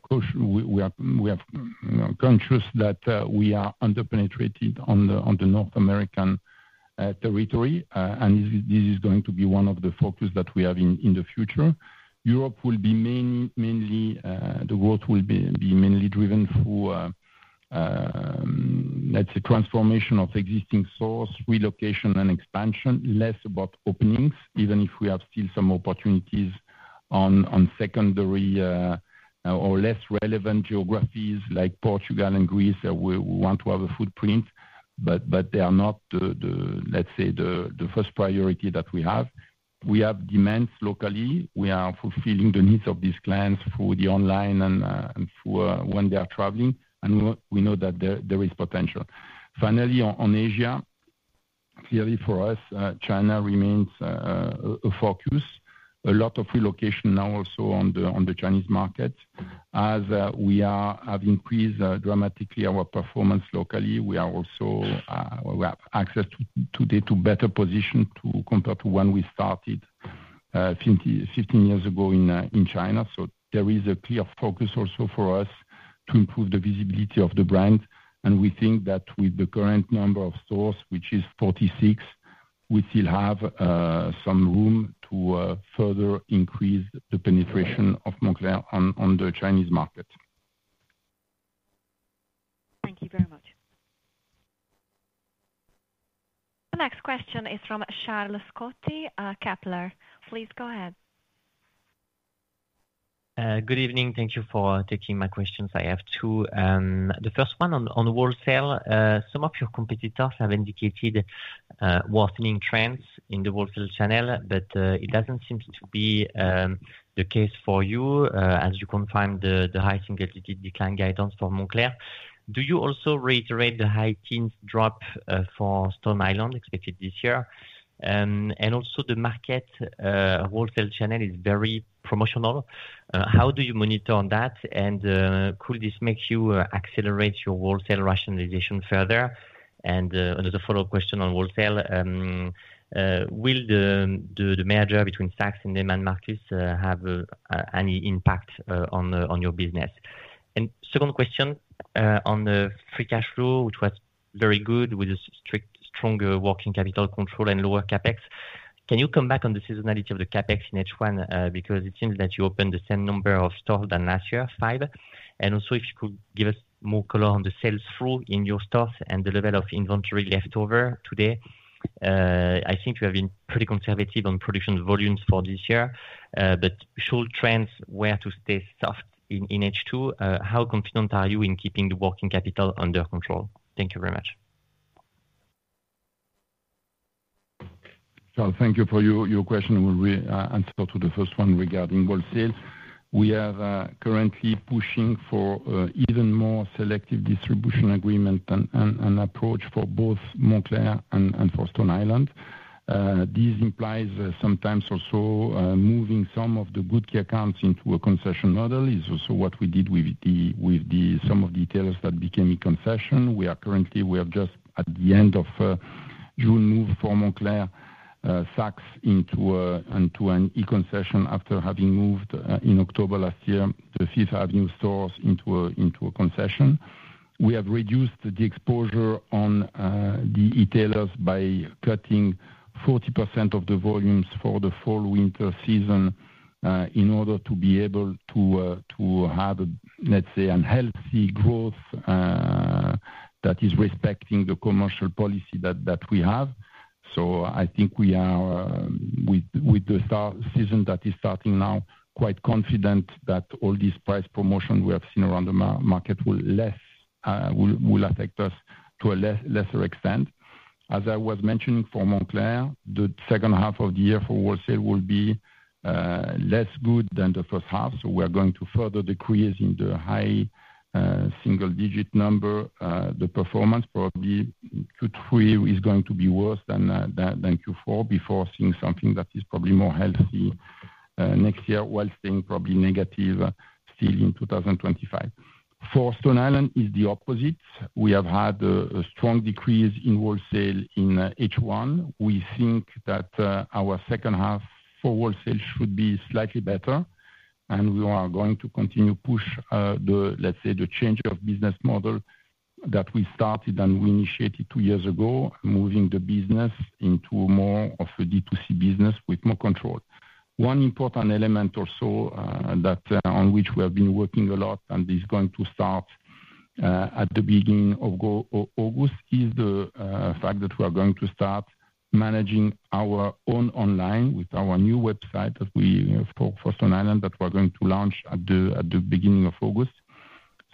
conscious that we are underpenetrated on the North American territory, and this is going to be one of the focus that we have in the future. Europe will be mainly the growth will be mainly driven through, let's say, transformation of existing stores, relocation, and expansion, less about openings, even if we have still some opportunities on secondary or less relevant geographies like Portugal and Greece where we want to have a footprint, but they are not, let's say, the first priority that we have. We have demands locally. We are fulfilling the needs of these clients through the online and when they are traveling, and we know that there is potential. Finally, on Asia, clearly for us, China remains a focus. A lot of relocation now also on the Chinese market as we have increased dramatically our performance locally. We have access today to better position compared to when we started 15 years ago in China. So there is a clear focus also for us to improve the visibility of the brand. And we think that with the current number of stores, which is 46, we still have some room to further increase the penetration of Moncler on the Chinese market. Thank you very much. The next question is from Charles-Louis Scotti, Kepler Cheuvreux. Please go ahead. Good evening. Thank you for taking my questions. I have two. The first one on wholesale, some of your competitors have indicated worsening trends in the wholesale channel, but it doesn't seem to be the case for you as you confirmed the high single-digit decline guidance for Moncler. Do you also reiterate the high teens drop for Stone Island expected this year? And also, the market wholesale channel is very promotional. How do you monitor on that? And could this make you accelerate your wholesale rationalization further? And as a follow-up question on wholesale, will the merger between Saks and Neiman Marcus have any impact on your business? And second question on the free cash flow, which was very good with a stronger working capital control and lower CapEx. Can you come back on the seasonality of the CapEx in H1? Because it seems that you opened the same number of stores than last year, five. And also, if you could give us more color on the sell-through in your stores and the level of inventory leftover today. I think you have been pretty conservative on production volumes for this year, but show trends where to stay soft in H2. How confident are you in keeping the working capital under control? Thank you very much. Thank you for your question. We'll answer to the first one regarding wholesale. We are currently pushing for even more selective distribution agreements and approach for both Moncler and for Stone Island. This implies sometimes also moving some of the good key accounts into a concession model. It's also what we did with some of the retailers that became a concession. Currently, we are just at the end of June moving for Moncler, Saks into an e-concession after having moved in October last year the Fifth Avenue stores into a concession. We have reduced the exposure on the e-tailers by cutting 40% of the volumes for the Fall/Winter season in order to be able to have, let's say, a healthy growth that is respecting the commercial policy that we have. So I think we are, with the season that is starting now, quite confident that all these price promotions we have seen around the market will affect us to a lesser extent. As I was mentioning for Moncler, the second half of the year for wholesale will be less good than the first half. So we're going to further decrease in the high single-digit number. The performance probably Q3 is going to be worse than Q4 before seeing something that is probably more healthy next year while staying probably negative still in 2025. For Stone Island is the opposite. We have had a strong decrease in wholesale in H1. We think that our second half for wholesale should be slightly better, and we are going to continue to push the, let's say, the change of business model that we started and we initiated two years ago, moving the business into more of a D2C business with more control. One important element also on which we have been working a lot and is going to start at the beginning of August is the fact that we are going to start managing our own online with our new website for Stone Island that we are going to launch at the beginning of August.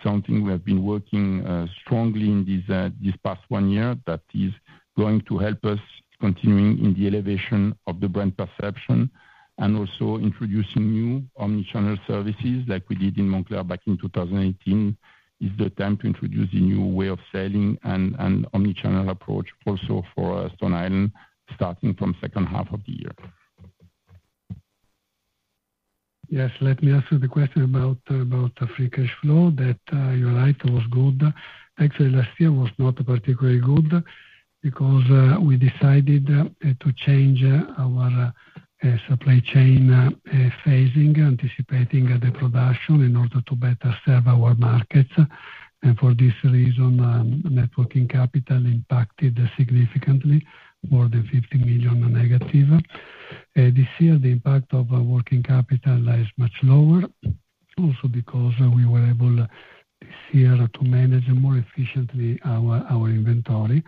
Something we have been working strongly on this past one year, that is going to help us continue in the elevation of the brand perception and also introducing new omnichannel services like we did in Moncler back in 2018, is the time to introduce a new way of selling and omnichannel approach also for Stone Island starting from the second half of the year. Yes, let me answer the question about free cash flow. You're right, it was good. Actually, last year was not particularly good because we decided to change our supply chain phasing, anticipating the production in order to better serve our markets. And for this reason, net working capital impacted significantly, more than 50 million negative. This year, the impact of working capital is much lower also because we were able this year to manage more efficiently our inventory.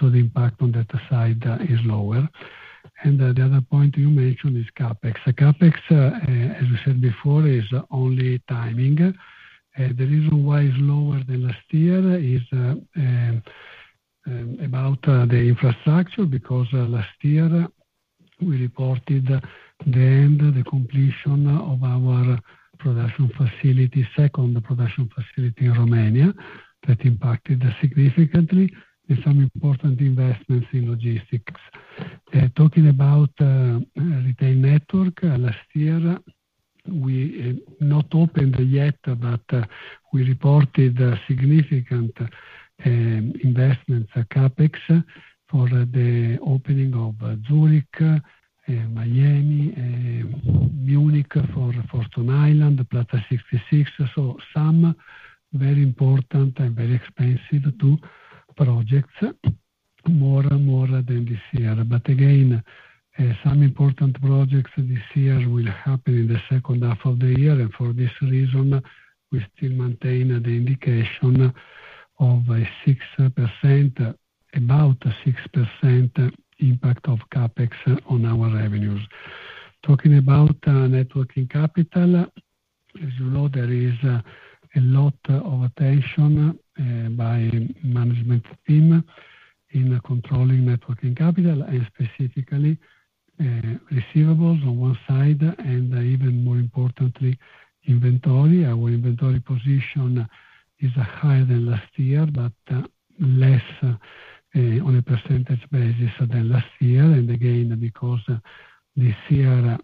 So the impact on that side is lower. And the other point you mentioned is CapEx. CapEx, as we said before, is only timing. The reason why it's lower than last year is about the infrastructure because last year we reported the end, the completion of our production facility, second production facility in Romania, that impacted significantly with some important investments in logistics. Talking about retail network, last year we have not opened yet, but we reported significant investments in CapEx for the opening of Zurich, Miami, Munich for Stone Island, Plaza 66. So some very important and very expensive projects, more and more than this year. But again, some important projects this year will happen in the second half of the year. And for this reason, we still maintain the indication of about 6% impact of CapEx on our revenues. Talking about working capital, as you know, there is a lot of attention by management team in controlling working capital and specifically receivables on one side and even more importantly, inventory. Our inventory position is higher than last year, but less on a percentage basis than last year. And again, because this year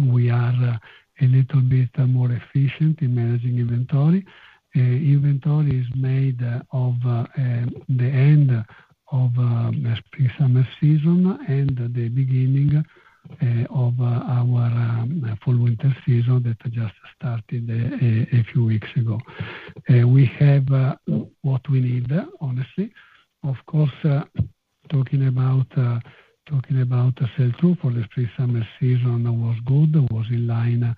we are a little bit more efficient in managing inventory. Inventory is made up of the end of Spring/Summer season and the beginning of our Fall/Winter season that just started a few weeks ago. We have what we need, honestly. Of course, talking about sell-through for the Spring/Summer season was good, was in line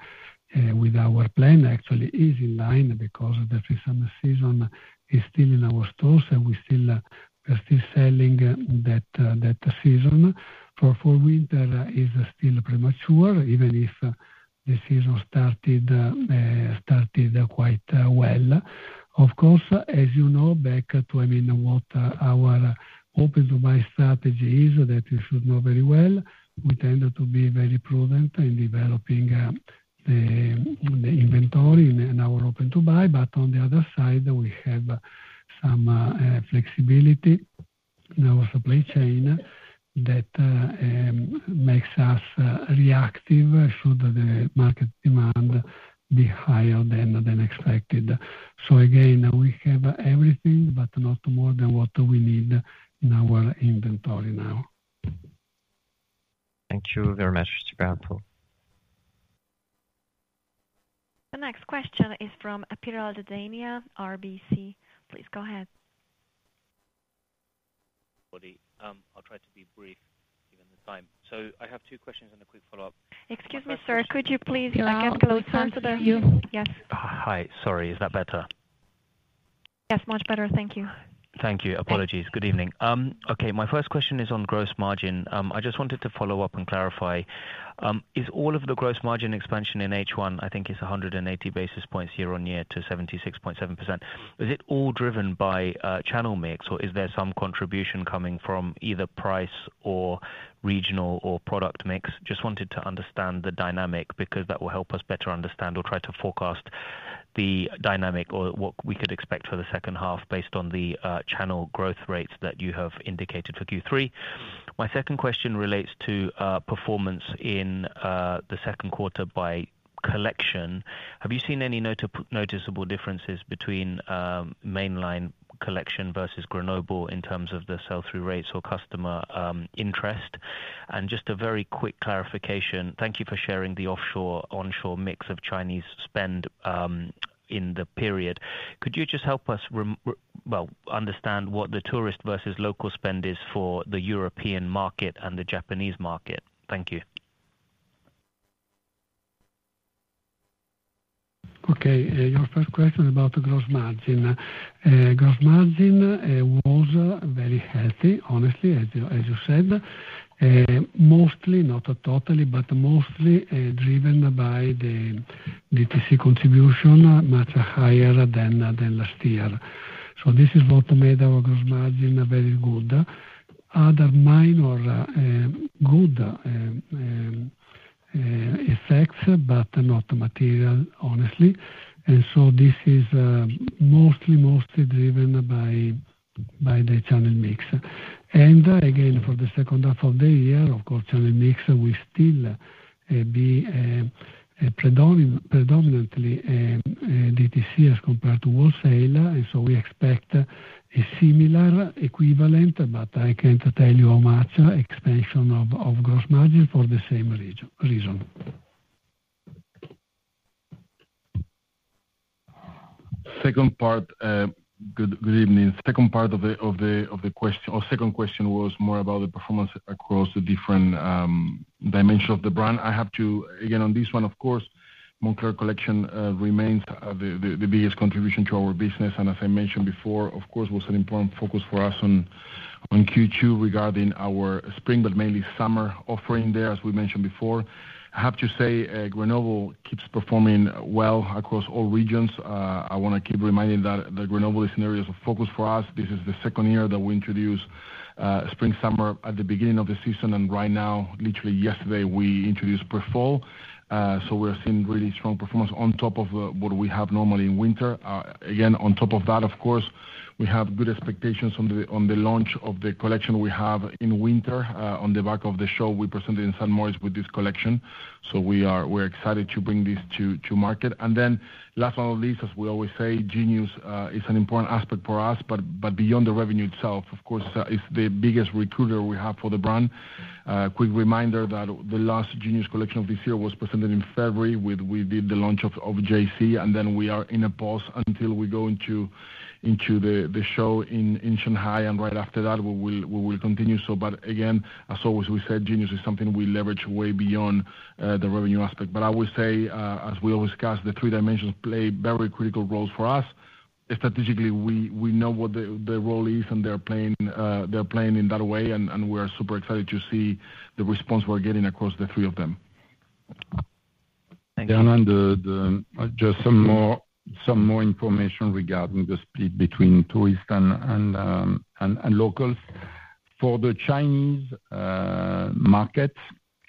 with our plan. Actually, it is in line because the Spring/Summer season is still in our stores and we're still selling that season. For Fall/Winter, it's still premature, even if the season started quite well. Of course, as you know, back to what our open-to-buy strategy is that you should know very well, we tend to be very prudent in developing the inventory in our open-to-buy. But on the other side, we have some flexibility in our supply chain that makes us reactive should the market demand be higher than expected. So again, we have everything, but not more than what we need in our inventory now. Thank you very much, Merci Beaucoup. The next question is from Piral Dadhania, RBC. Please go ahead. I'll try to be brief given the time. I have two questions and a quick follow-up. Excuse me, sir. Could you please get closer to the view? Hi, sorry. Is that better? Yes, much better. Thank you. Thank you. Apologies. Good evening. Okay, my first question is on gross margin. I just wanted to follow up and clarify. Is all of the gross margin expansion in H1 (I think it's 180 basis points year-on-year to 76.7%) all driven by channel mix, or is there some contribution coming from either price or regional or product mix? Just wanted to understand the dynamic because that will help us better understand or try to forecast the dynamic or what we could expect for the second half based on the channel growth rates that you have indicated for Q3. My second question relates to performance in the Q2 by collection. Have you seen any noticeable differences between mainline collection versus Grenoble in terms of the sell-through rates or customer interest? And just a very quick clarification. Thank you for sharing the offshore-onshore mix of Chinese spend in the period. Could you just help us understand what the tourist versus local spend is for the European market and the Japanese market? Thank you. Okay. Your first question about the gross margin. Gross margin was very healthy, honestly, as you said. Mostly, not totally, but mostly driven by the DTC contribution, much higher than last year. So this is what made our gross margin very good. Other minor good effects, but not material, honestly. So this is mostly, mostly driven by the channel mix. Again, for the second half of the year, of course, channel mix will still be predominantly DTC as compared to wholesale. So we expect a similar equivalent, but I can't tell you how much expansion of gross margin for the same reason. Second part. Good evening. Second part of the question or second question was more about the performance across the different dimensions of the brand. I have to, again, on this one, of course, Moncler Collection remains the biggest contribution to our business. And as I mentioned before, of course, was an important focus for us on Q2 regarding our spring, but mainly summer offering there, as we mentioned before. I have to say Grenoble keeps performing well across all regions. I want to keep reminding that Grenoble is an area of focus for us. This is the second year that we introduce Spring/Summer at the beginning of the season. And right now, literally yesterday, we introduced Pre-Fall. So we're seeing really strong performance on top of what we have normally in winter. Again, on top of that, of course, we have good expectations on the launch of the collection we have in winter. On the back of the show, we presented in St. Moritz with this collection. So we're excited to bring this to market. And then last but not least, as we always say, Genius is an important aspect for us, but beyond the revenue itself, of course, it's the biggest recruiter we have for the brand. Quick reminder that the last Genius collection of this year was presented in February, with we did the launch of Jay-Z, and then we are in a pause until we go into the show in Shanghai. And right after that, we will continue. But again, as always, we said Genius is something we leverage way beyond the revenue aspect. I will say, as we always discuss, the three dimensions play very critical roles for us. Strategically, we know what the role is, and they're playing in that way. We are super excited to see the response we're getting across the three of them. Thank you. Just some more information regarding the split between tourists and locals. For the Chinese market,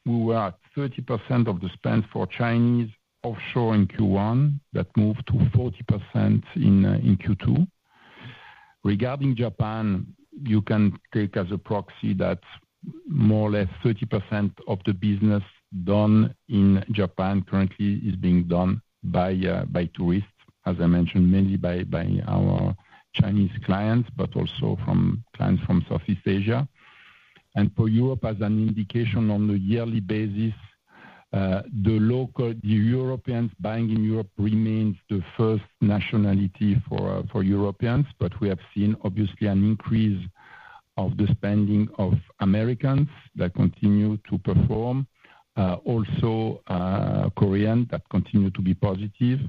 we were at 30% of the spend for Chinese offshore in Q1 that moved to 40% in Q2. Regarding Japan, you can take as a proxy that more or less 30% of the business done in Japan currently is being done by tourists, as I mentioned, mainly by our Chinese clients, but also from clients from Southeast Asia. For Europe, as an indication on the yearly basis, the Europeans buying in Europe remains the first nationality for Europeans. We have seen, obviously, an increase of the spending of Americans that continue to perform. Also, Korean that continue to be positive.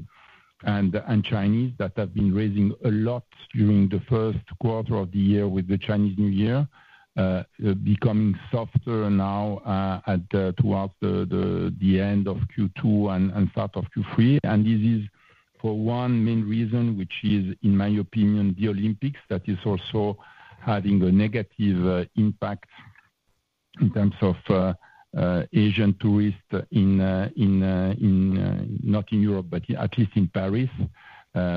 Chinese that have been raising a lot during the Q1 of the year with the Chinese New Year becoming softer now towards the end of Q2 and start of Q3. This is for one main reason, which is, in my opinion, the Olympics that is also having a negative impact in terms of Asian tourists in, not in Europe, but at least in Paris.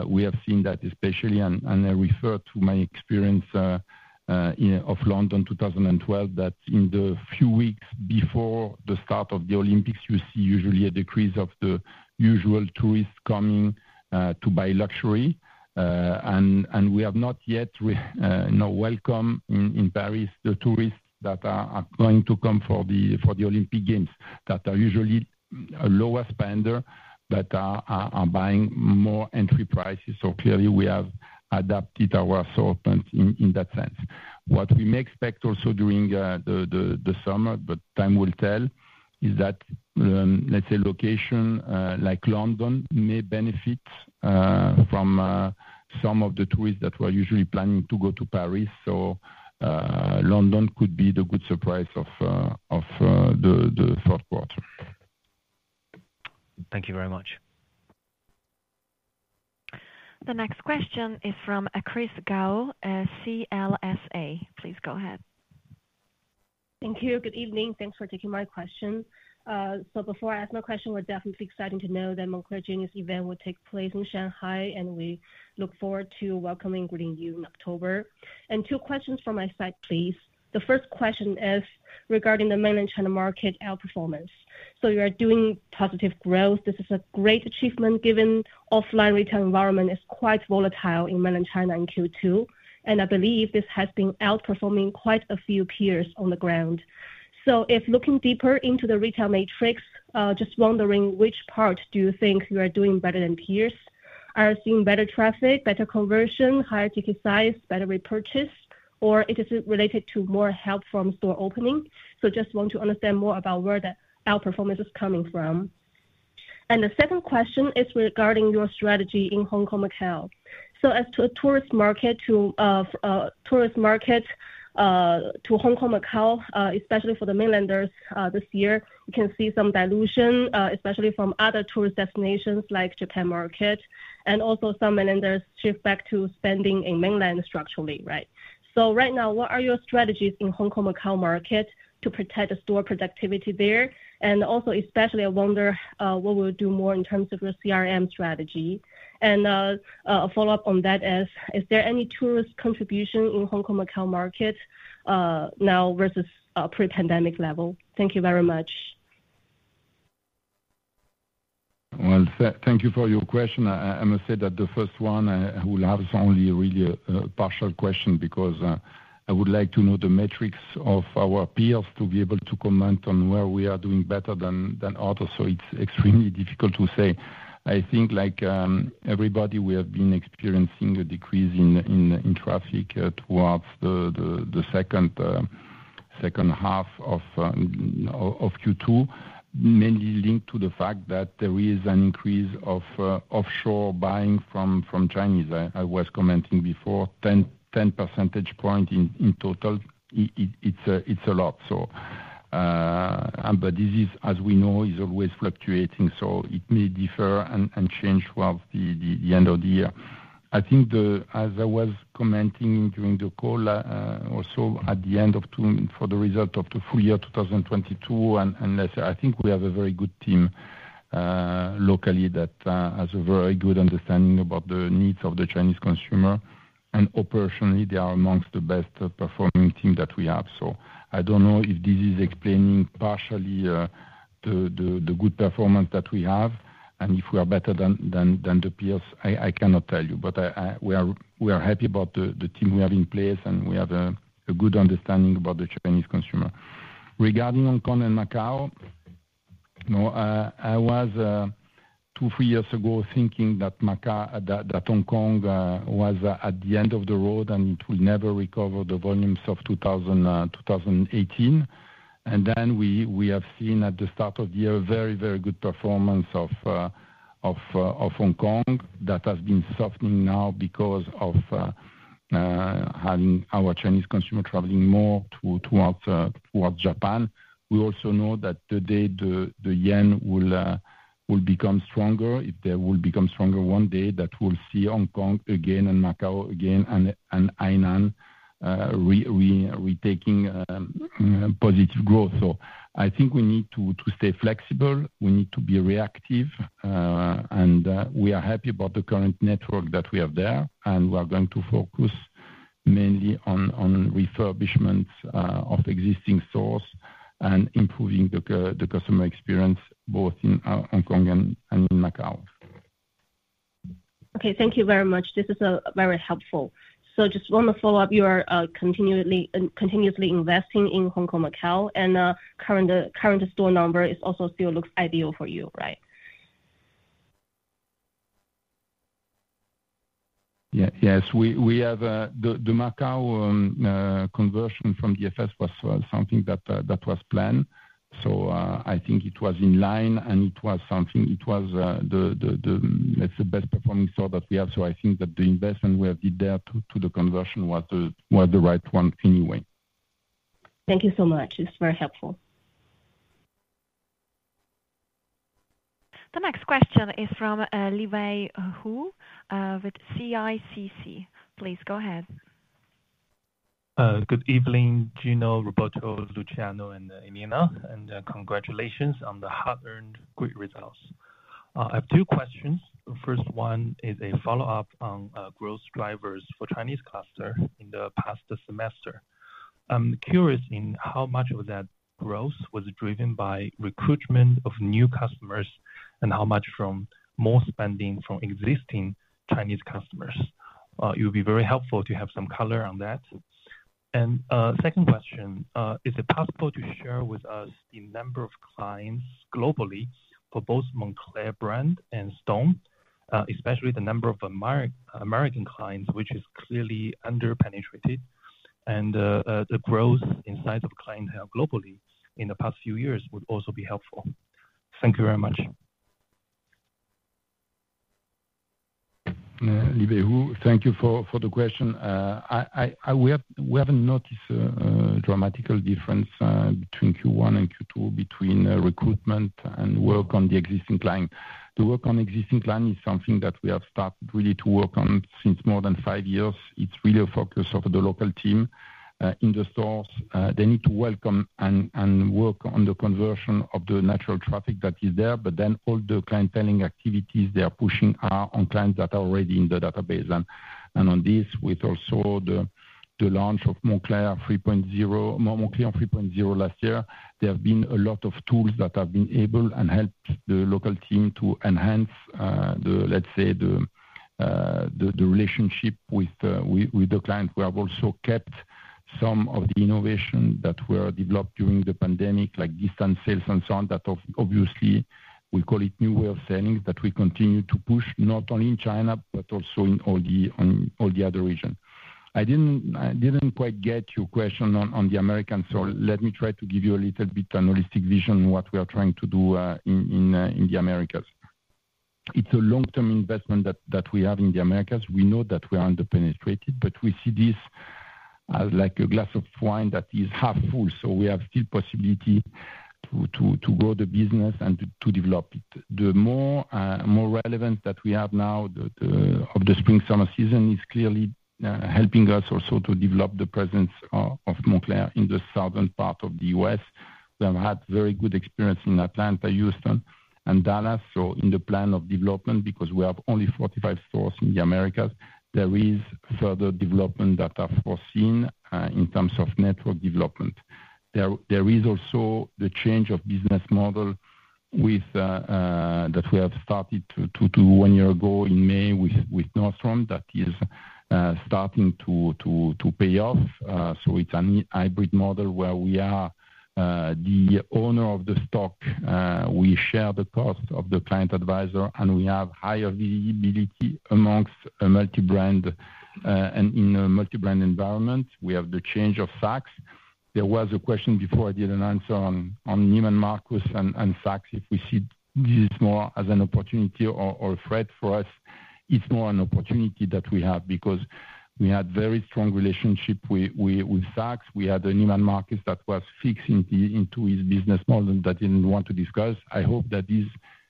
We have seen that, especially, and I refer to my experience of London 2012, that in the few weeks before the start of the Olympics, you see usually a decrease of the usual tourists coming to buy luxury. We have not yet welcomed in Paris the tourists that are going to come for the Olympic Games that are usually lower spenders but are buying more entry prices. So clearly, we have adapted our assortment in that sense. What we may expect also during the summer, but time will tell, is that, let's say, locations like London may benefit from some of the tourists that were usually planning to go to Paris. London could be the good surprise of the Q4. Thank you very much. The next question is from Chris Gao, CLSA. Please go ahead. Thank you. Good evening. Thanks for taking my question. So before I ask my question, we're definitely excited to know that Moncler Genius event will take place in Shanghai, and we look forward to welcoming Genius in October. And two questions from my side, please. The first question is regarding the mainland China market outperformance. So you are doing positive growth. This is a great achievement given the offline retail environment is quite volatile in mainland China in Q2. And I believe this has been outperforming quite a few peers on the ground. So if looking deeper into the retail matrix, just wondering which part do you think you are doing better than peers? Are you seeing better traffic, better conversion, higher ticket size, better repurchase, or is it related to more help from store opening? So just want to understand more about where the outperformance is coming from. The second question is regarding your strategy in Hong Kong, Macau. So as to a tourist market to Hong Kong, Macau, especially for the mainlanders this year, you can see some dilution, especially from other tourist destinations like Japan market, and also some mainlanders shift back to spending in mainland structurally, right? So right now, what are your strategies in Hong Kong, Macau market to protect the store productivity there? And also, especially, I wonder what we'll do more in terms of your CRM strategy. And a follow-up on that is, is there any tourist contribution in Hong Kong, Macau market now versus pre-pandemic level? Thank you very much. Well, thank you for your question. I must say that the first one, I will have only a really partial question because I would like to know the metrics of our peers to be able to comment on where we are doing better than others. So it's extremely difficult to say. I think, like everybody, we have been experiencing a decrease in traffic towards the second half of Q2, mainly linked to the fact that there is an increase of offshore buying from Chinese. I was commenting before, 10 percentage points in total. It's a lot. But this is, as we know, is always fluctuating. So it may differ and change throughout the end of the year. I think, as I was commenting during the call, also at the end of the results of the full year 2022, and I think we have a very good team locally that has a very good understanding about the needs of the Chinese consumer. Operationally, they are among the best-performing team that we have. So I don't know if this is explaining partially the good performance that we have. And if we are better than the peers, I cannot tell you. But we are happy about the team we have in place, and we have a good understanding about the Chinese consumer. Regarding Hong Kong and Macau, I was two, three years ago thinking that Hong Kong was at the end of the road and it will never recover the volumes of 2018. Then we have seen at the start of the year very, very good performance of Hong Kong that has been softening now because of having our Chinese consumer traveling more towards Japan. We also know that the day the yen will become stronger, if there will become stronger one day, that we'll see Hong Kong again and Macau again and Hainan retaking positive growth. So I think we need to stay flexible. We need to be reactive. And we are happy about the current network that we have there. And we are going to focus mainly on refurbishments of existing stores and improving the customer experience both in Hong Kong and in Macau. Okay. Thank you very much. This is very helpful. So just want to follow up. You are continuously investing in Hong Kong Macau, and current store number is also still looks ideal for you, right? Yes. We have the Macau conversion from DFS was something that was planned. So I think it was in line, and it was something it was the best-performing store that we have. So I think that the investment we have did there to the conversion was the right one anyway. Thank you so much. It's very helpful. The next question is from Liwei Hou with CICC. Please go ahead. Good evening, Gino, Roberto, Luciano, and Elena. Congratulations on the hard-earned great results. I have two questions. The first one is a follow-up on growth drivers for Chinese cluster in the past semester. I'm curious in how much of that growth was driven by recruitment of new customers and how much from more spending from existing Chinese customers. It would be very helpful to have some color on that. Second question, is it possible to share with us the number of clients globally for both Moncler brand and Stone, especially the number of American clients, which is clearly underpenetrated? The growth in size of clientele globally in the past few years would also be helpful. Thank you very much. Liwei Hou, thank you for the question. We haven't noticed a dramatic difference between Q1 and Q2 between recruitment and work on the existing client. The work on existing client is something that we have started really to work on since more than five years. It's really a focus of the local team in the stores. They need to welcome and work on the conversion of the natural traffic that is there. But then all the clienteling activities they are pushing are on clients that are already in the database. And on this, with also the launch of Moncler 3.0 last year, there have been a lot of tools that have been able and helped the local team to enhance, let's say, the relationship with the client. We have also kept some of the innovations that were developed during the pandemic, like distance sales and so on, that obviously, we call it new way of selling, that we continue to push not only in China but also in all the other regions. I didn't quite get your question on the Americans. So let me try to give you a little bit of a holistic vision on what we are trying to do in the Americas. It's a long-term investment that we have in the Americas. We know that we are underpenetrated, but we see this as like a glass of wine that is half full. So we have still possibility to grow the business and to develop it. The more relevance that we have now of the Spring/Summer season is clearly helping us also to develop the presence of Moncler in the southern part of the U.S. We have had very good experience in Atlanta, Houston, and Dallas. In the plan of development, because we have only 45 stores in the Americas, there is further development that are foreseen in terms of network development. There is also the change of business model that we have started to do one year ago in May with Nordstrom that is starting to pay off. It's a hybrid model where we are the owner of the stock. We share the cost of the client advisor, and we have higher visibility among a multi-brand and in a multi-brand environment. We have the change of Saks. There was a question before I didn't answer on Neiman Marcus and Saks if we see this more as an opportunity or a threat for us. It's more an opportunity that we have because we had a very strong relationship with Saks. We had a Neiman Marcus that was fixed into its business model that didn't want to discuss. I hope that this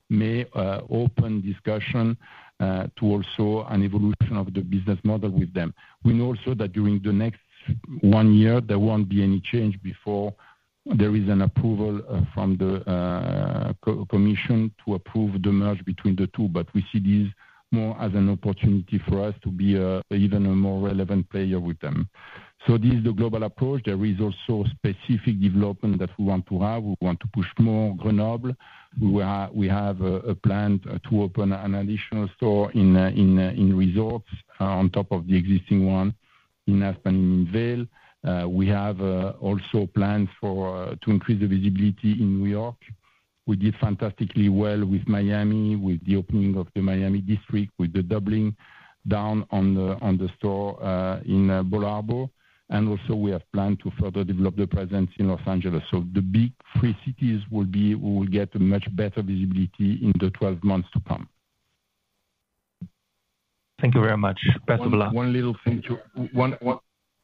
may open discussion to also an evolution of the business model with them. We know also that during the next one year, there won't be any change before there is an approval from the commission to approve the merge between the two. But we see this more as an opportunity for us to be even a more relevant player with them. So this is the global approach. There is also specific development that we want to have. We want to push more Grenoble. We have a plan to open an additional store in resorts on top of the existing one in Aspen and in Vail. We have also plans to increase the visibility in New York. We did fantastically well with Miami, with the opening of the Miami Design District, with the doubling down on the store in Bal Harbour. And also, we have planned to further develop the presence in Los Angeles. So the big three cities will get much better visibility in the 12 months to come. Thank you very much. Best of luck.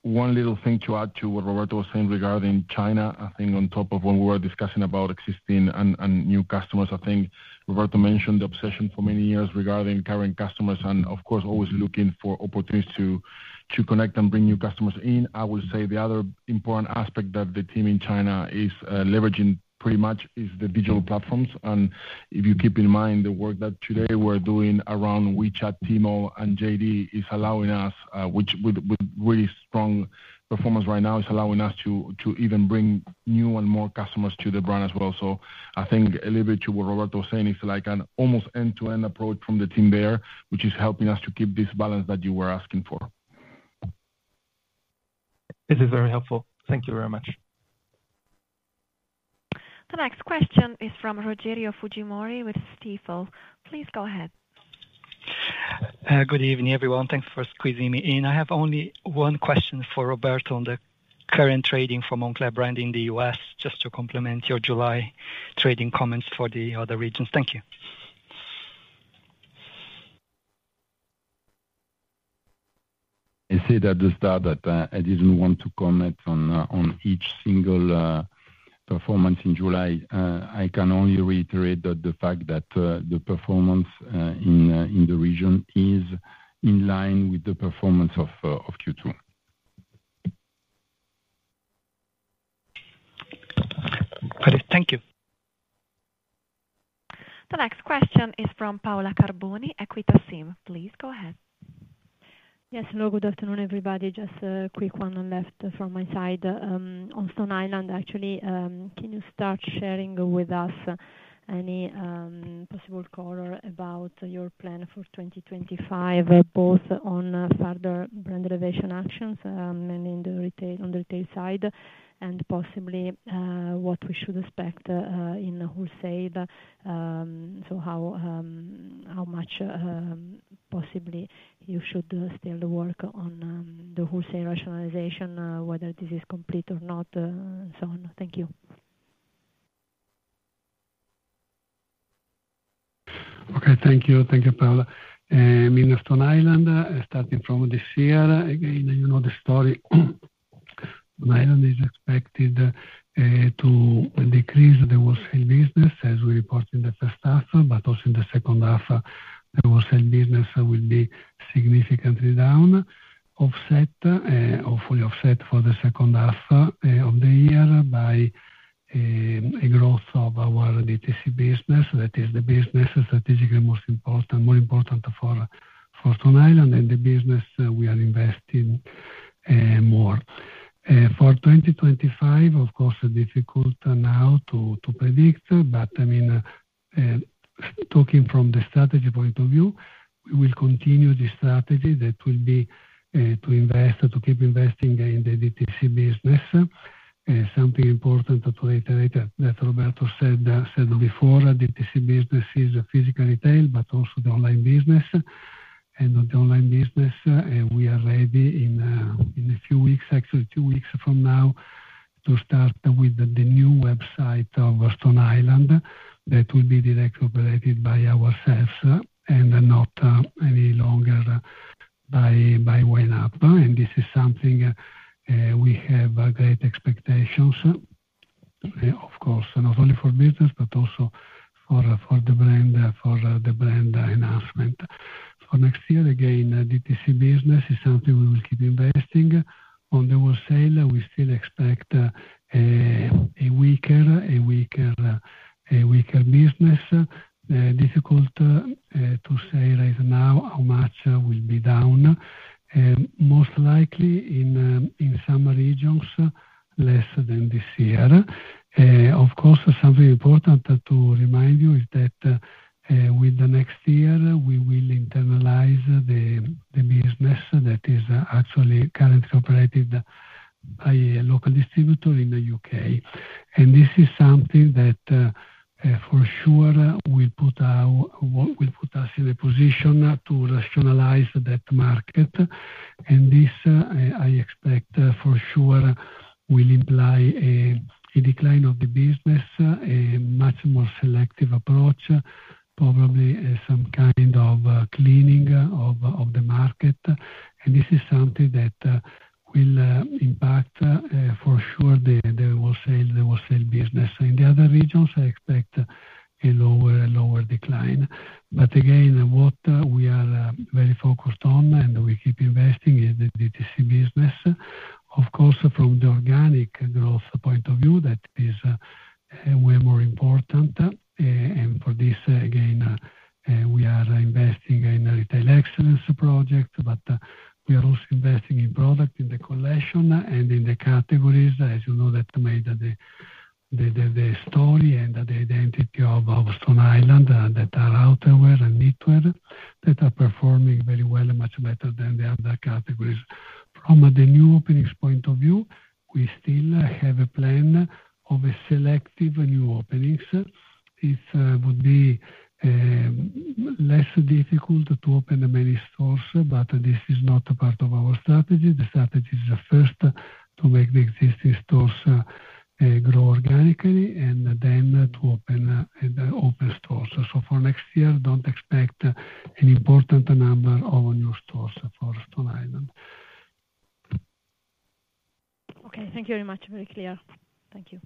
One little thing to add to what Roberto was saying regarding China, I think on top of when we were discussing about existing and new customers. I think Roberto mentioned the obsession for many years regarding current customers and, of course, always looking for opportunities to connect and bring new customers in. I will say the other important aspect that the team in China is leveraging pretty much is the digital platforms. And if you keep in mind the work that today we're doing around WeChat, Tmall, and JD is allowing us, which with really strong performance right now, is allowing us to even bring new and more customers to the brand as well. So I think a little bit to what Roberto was saying, it's like an almost end-to-end approach from the team there, which is helping us to keep this balance that you were asking for. This is very helpful. Thank you very much. The next question is from Rogério Fujimori with Stifel. Please go ahead. Good evening, everyone. Thanks for squeezing me in. I have only one question for Roberto on the current trading for Moncler brand in the U.S., just to complement your July trading comments for the other regions. Thank you. I said at the start that I didn't want to comment on each single performance in July. I can only reiterate the fact that the performance in the region is in line with the performance of Q2. Thank you. The next question is from Paola Carboni, Equita SIM. Please go ahead. Yes. Hello. Good afternoon, everybody. Just a quick one left from my side. On Stone Island, actually, can you start sharing with us any possible color about your plan for 2025, both on further brand elevation actions and on the retail side and possibly what we should expect in wholesale? So how much possibly you should still work on the wholesale rationalization, whether this is complete or not, and so on. Thank you. Okay. Thank you. Thank you, Paola. I'm in Stone Island, starting from this year. Again, you know the story. Stone Island is expected to decrease the wholesale business as we report in the first half, but also in the second half, the wholesale business will be significantly down, offset, hopefully offset for the second half of the year by a growth of our DTC business. That is the business strategically most important, more important for Stone Island. And the business we are investing more. For 2025, of course, difficult now to predict, but I mean, talking from the strategy point of view, we will continue the strategy that will be to invest, to keep investing in the DTC business. Something important to reiterate that Roberto said before, DTC business is physical retail, but also the online business. On the online business, we are ready in a few weeks, actually 2 weeks from now, to start with the new website of Stone Island that will be directly operated by ourselves and not any longer by YNAP. This is something we have great expectations, of course, not only for business, but also for the brand announcement. For next year, again, DTC business is something we will keep investing. On the wholesale, we still expect a weaker business. Difficult to say right now how much will be down. Most likely in some regions, less than this year. Of course, something important to remind you is that with the next year, we will internalize the business that is actually currently operated by a local distributor in the UK. This is something that for sure will put us in a position to rationalize that market. This, I expect for sure, will imply a decline of the business, a much more selective approach, probably some kind of cleaning of the market. This is something that will impact for sure the wholesale business. In the other regions, I expect a lower decline. But again, what we are very focused on and we keep investing is the DTC business. Of course, from the organic growth point of view, that is way more important. For this, again, we are investing in retail excellence projects, but we are also investing in product, in the collection, and in the categories. As you know, that made the story and the identity of Stone Island that are outerwear and knitwear that are performing very well, much better than the other categories. From the new openings point of view, we still have a plan of selective new openings. It would be less difficult to open many stores, but this is not part of our strategy. The strategy is first to make the existing stores grow organically and then to open stores. So for next year, don't expect an important number of new stores for Stone Island. Okay. Thank you very much. Very clear. Thank you.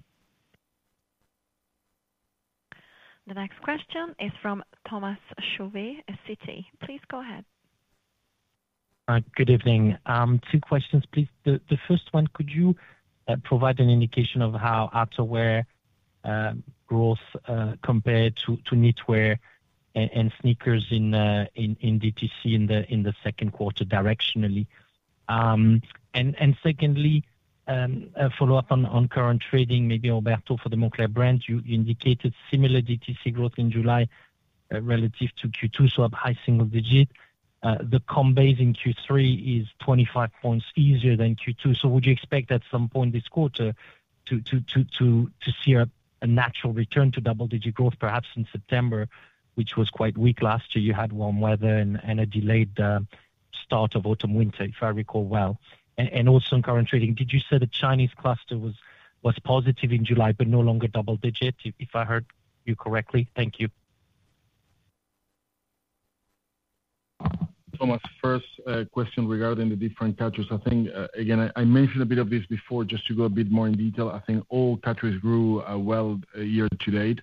The next question is from Thomas Chauvet, Citi. Please go ahead. Good evening. Two questions, please. The first one, could you provide an indication of how outerwear growth compared to knitwear and sneakers in DTC in the Q2 directionally? And secondly, follow-up on current trading, maybe Roberto for the Moncler brand. You indicated similar DTC growth in July relative to Q2, so a high single digit. The comp base in Q3 is 25 points easier than Q2. So would you expect at some point this quarter to see a natural return to double-digit growth, perhaps in September, which was quite weak last year? You had warm weather and a delayed start of Autumn/Winter, if I recall well. And also in current trading, did you say the Chinese cluster was positive in July, but no longer double-digit? If I heard you correctly. Thank you. Thomas, first question regarding the different categories. I think, again, I mentioned a bit of this before, just to go a bit more in detail. I think all categories grew well year to date.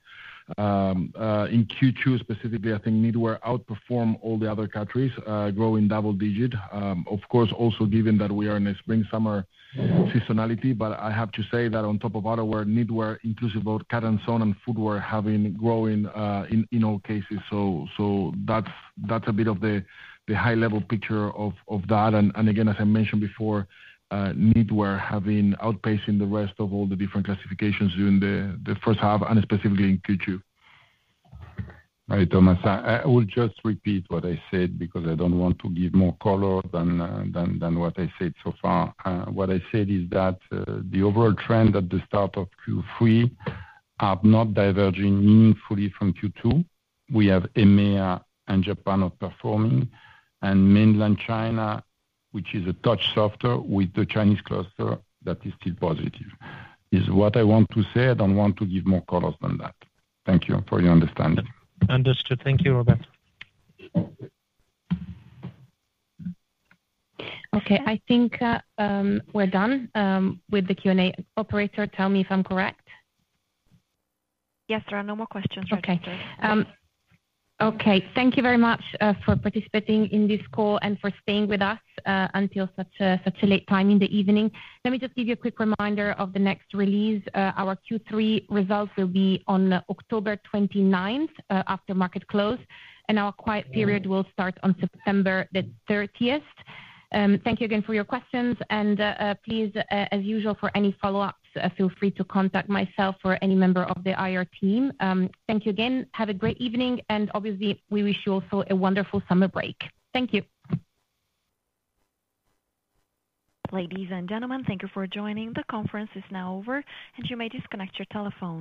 In Q2, specifically, I think knitwear outperformed all the other categories, growing double-digit. Of course, also given that we are in a Spring/Summer seasonality, but I have to say that on top of outerwear, knitwear, inclusive of cotton sweat and footwear having grown in all cases. So that's a bit of the high-level picture of that. And again, as I mentioned before, knitwear having outpaced the rest of all the different classifications during the first half, and specifically in Q2. All right, Thomas. I will just repeat what I said because I don't want to give more color than what I said so far. What I said is that the overall trend at the start of Q3 is not diverging meaningfully from Q2. We have EMEA and Japan outperforming, and mainland China, which is a touch softer with the Chinese cluster, that is still positive. Is what I want to say. I don't want to give more colors than that. Thank you for your understanding. Understood. Thank you, Roberto. Okay. I think we're done with the Q&A. Operator, tell me if I'm correct. Yes, there are no more questions. Okay. Okay. Thank you very much for participating in this call and for staying with us until such a late time in the evening. Let me just give you a quick reminder of the next release. Our Q3 results will be on October 29th after market close, and our quiet period will start on September 30th. Thank you again for your questions. And please, as usual, for any follow-ups, feel free to contact myself or any member of the IR team. Thank you again. Have a great evening. And obviously, we wish you also a wonderful summer break. Thank you. Ladies and gentlemen, thank you for joining. The conference is now over, and you may disconnect your telephone.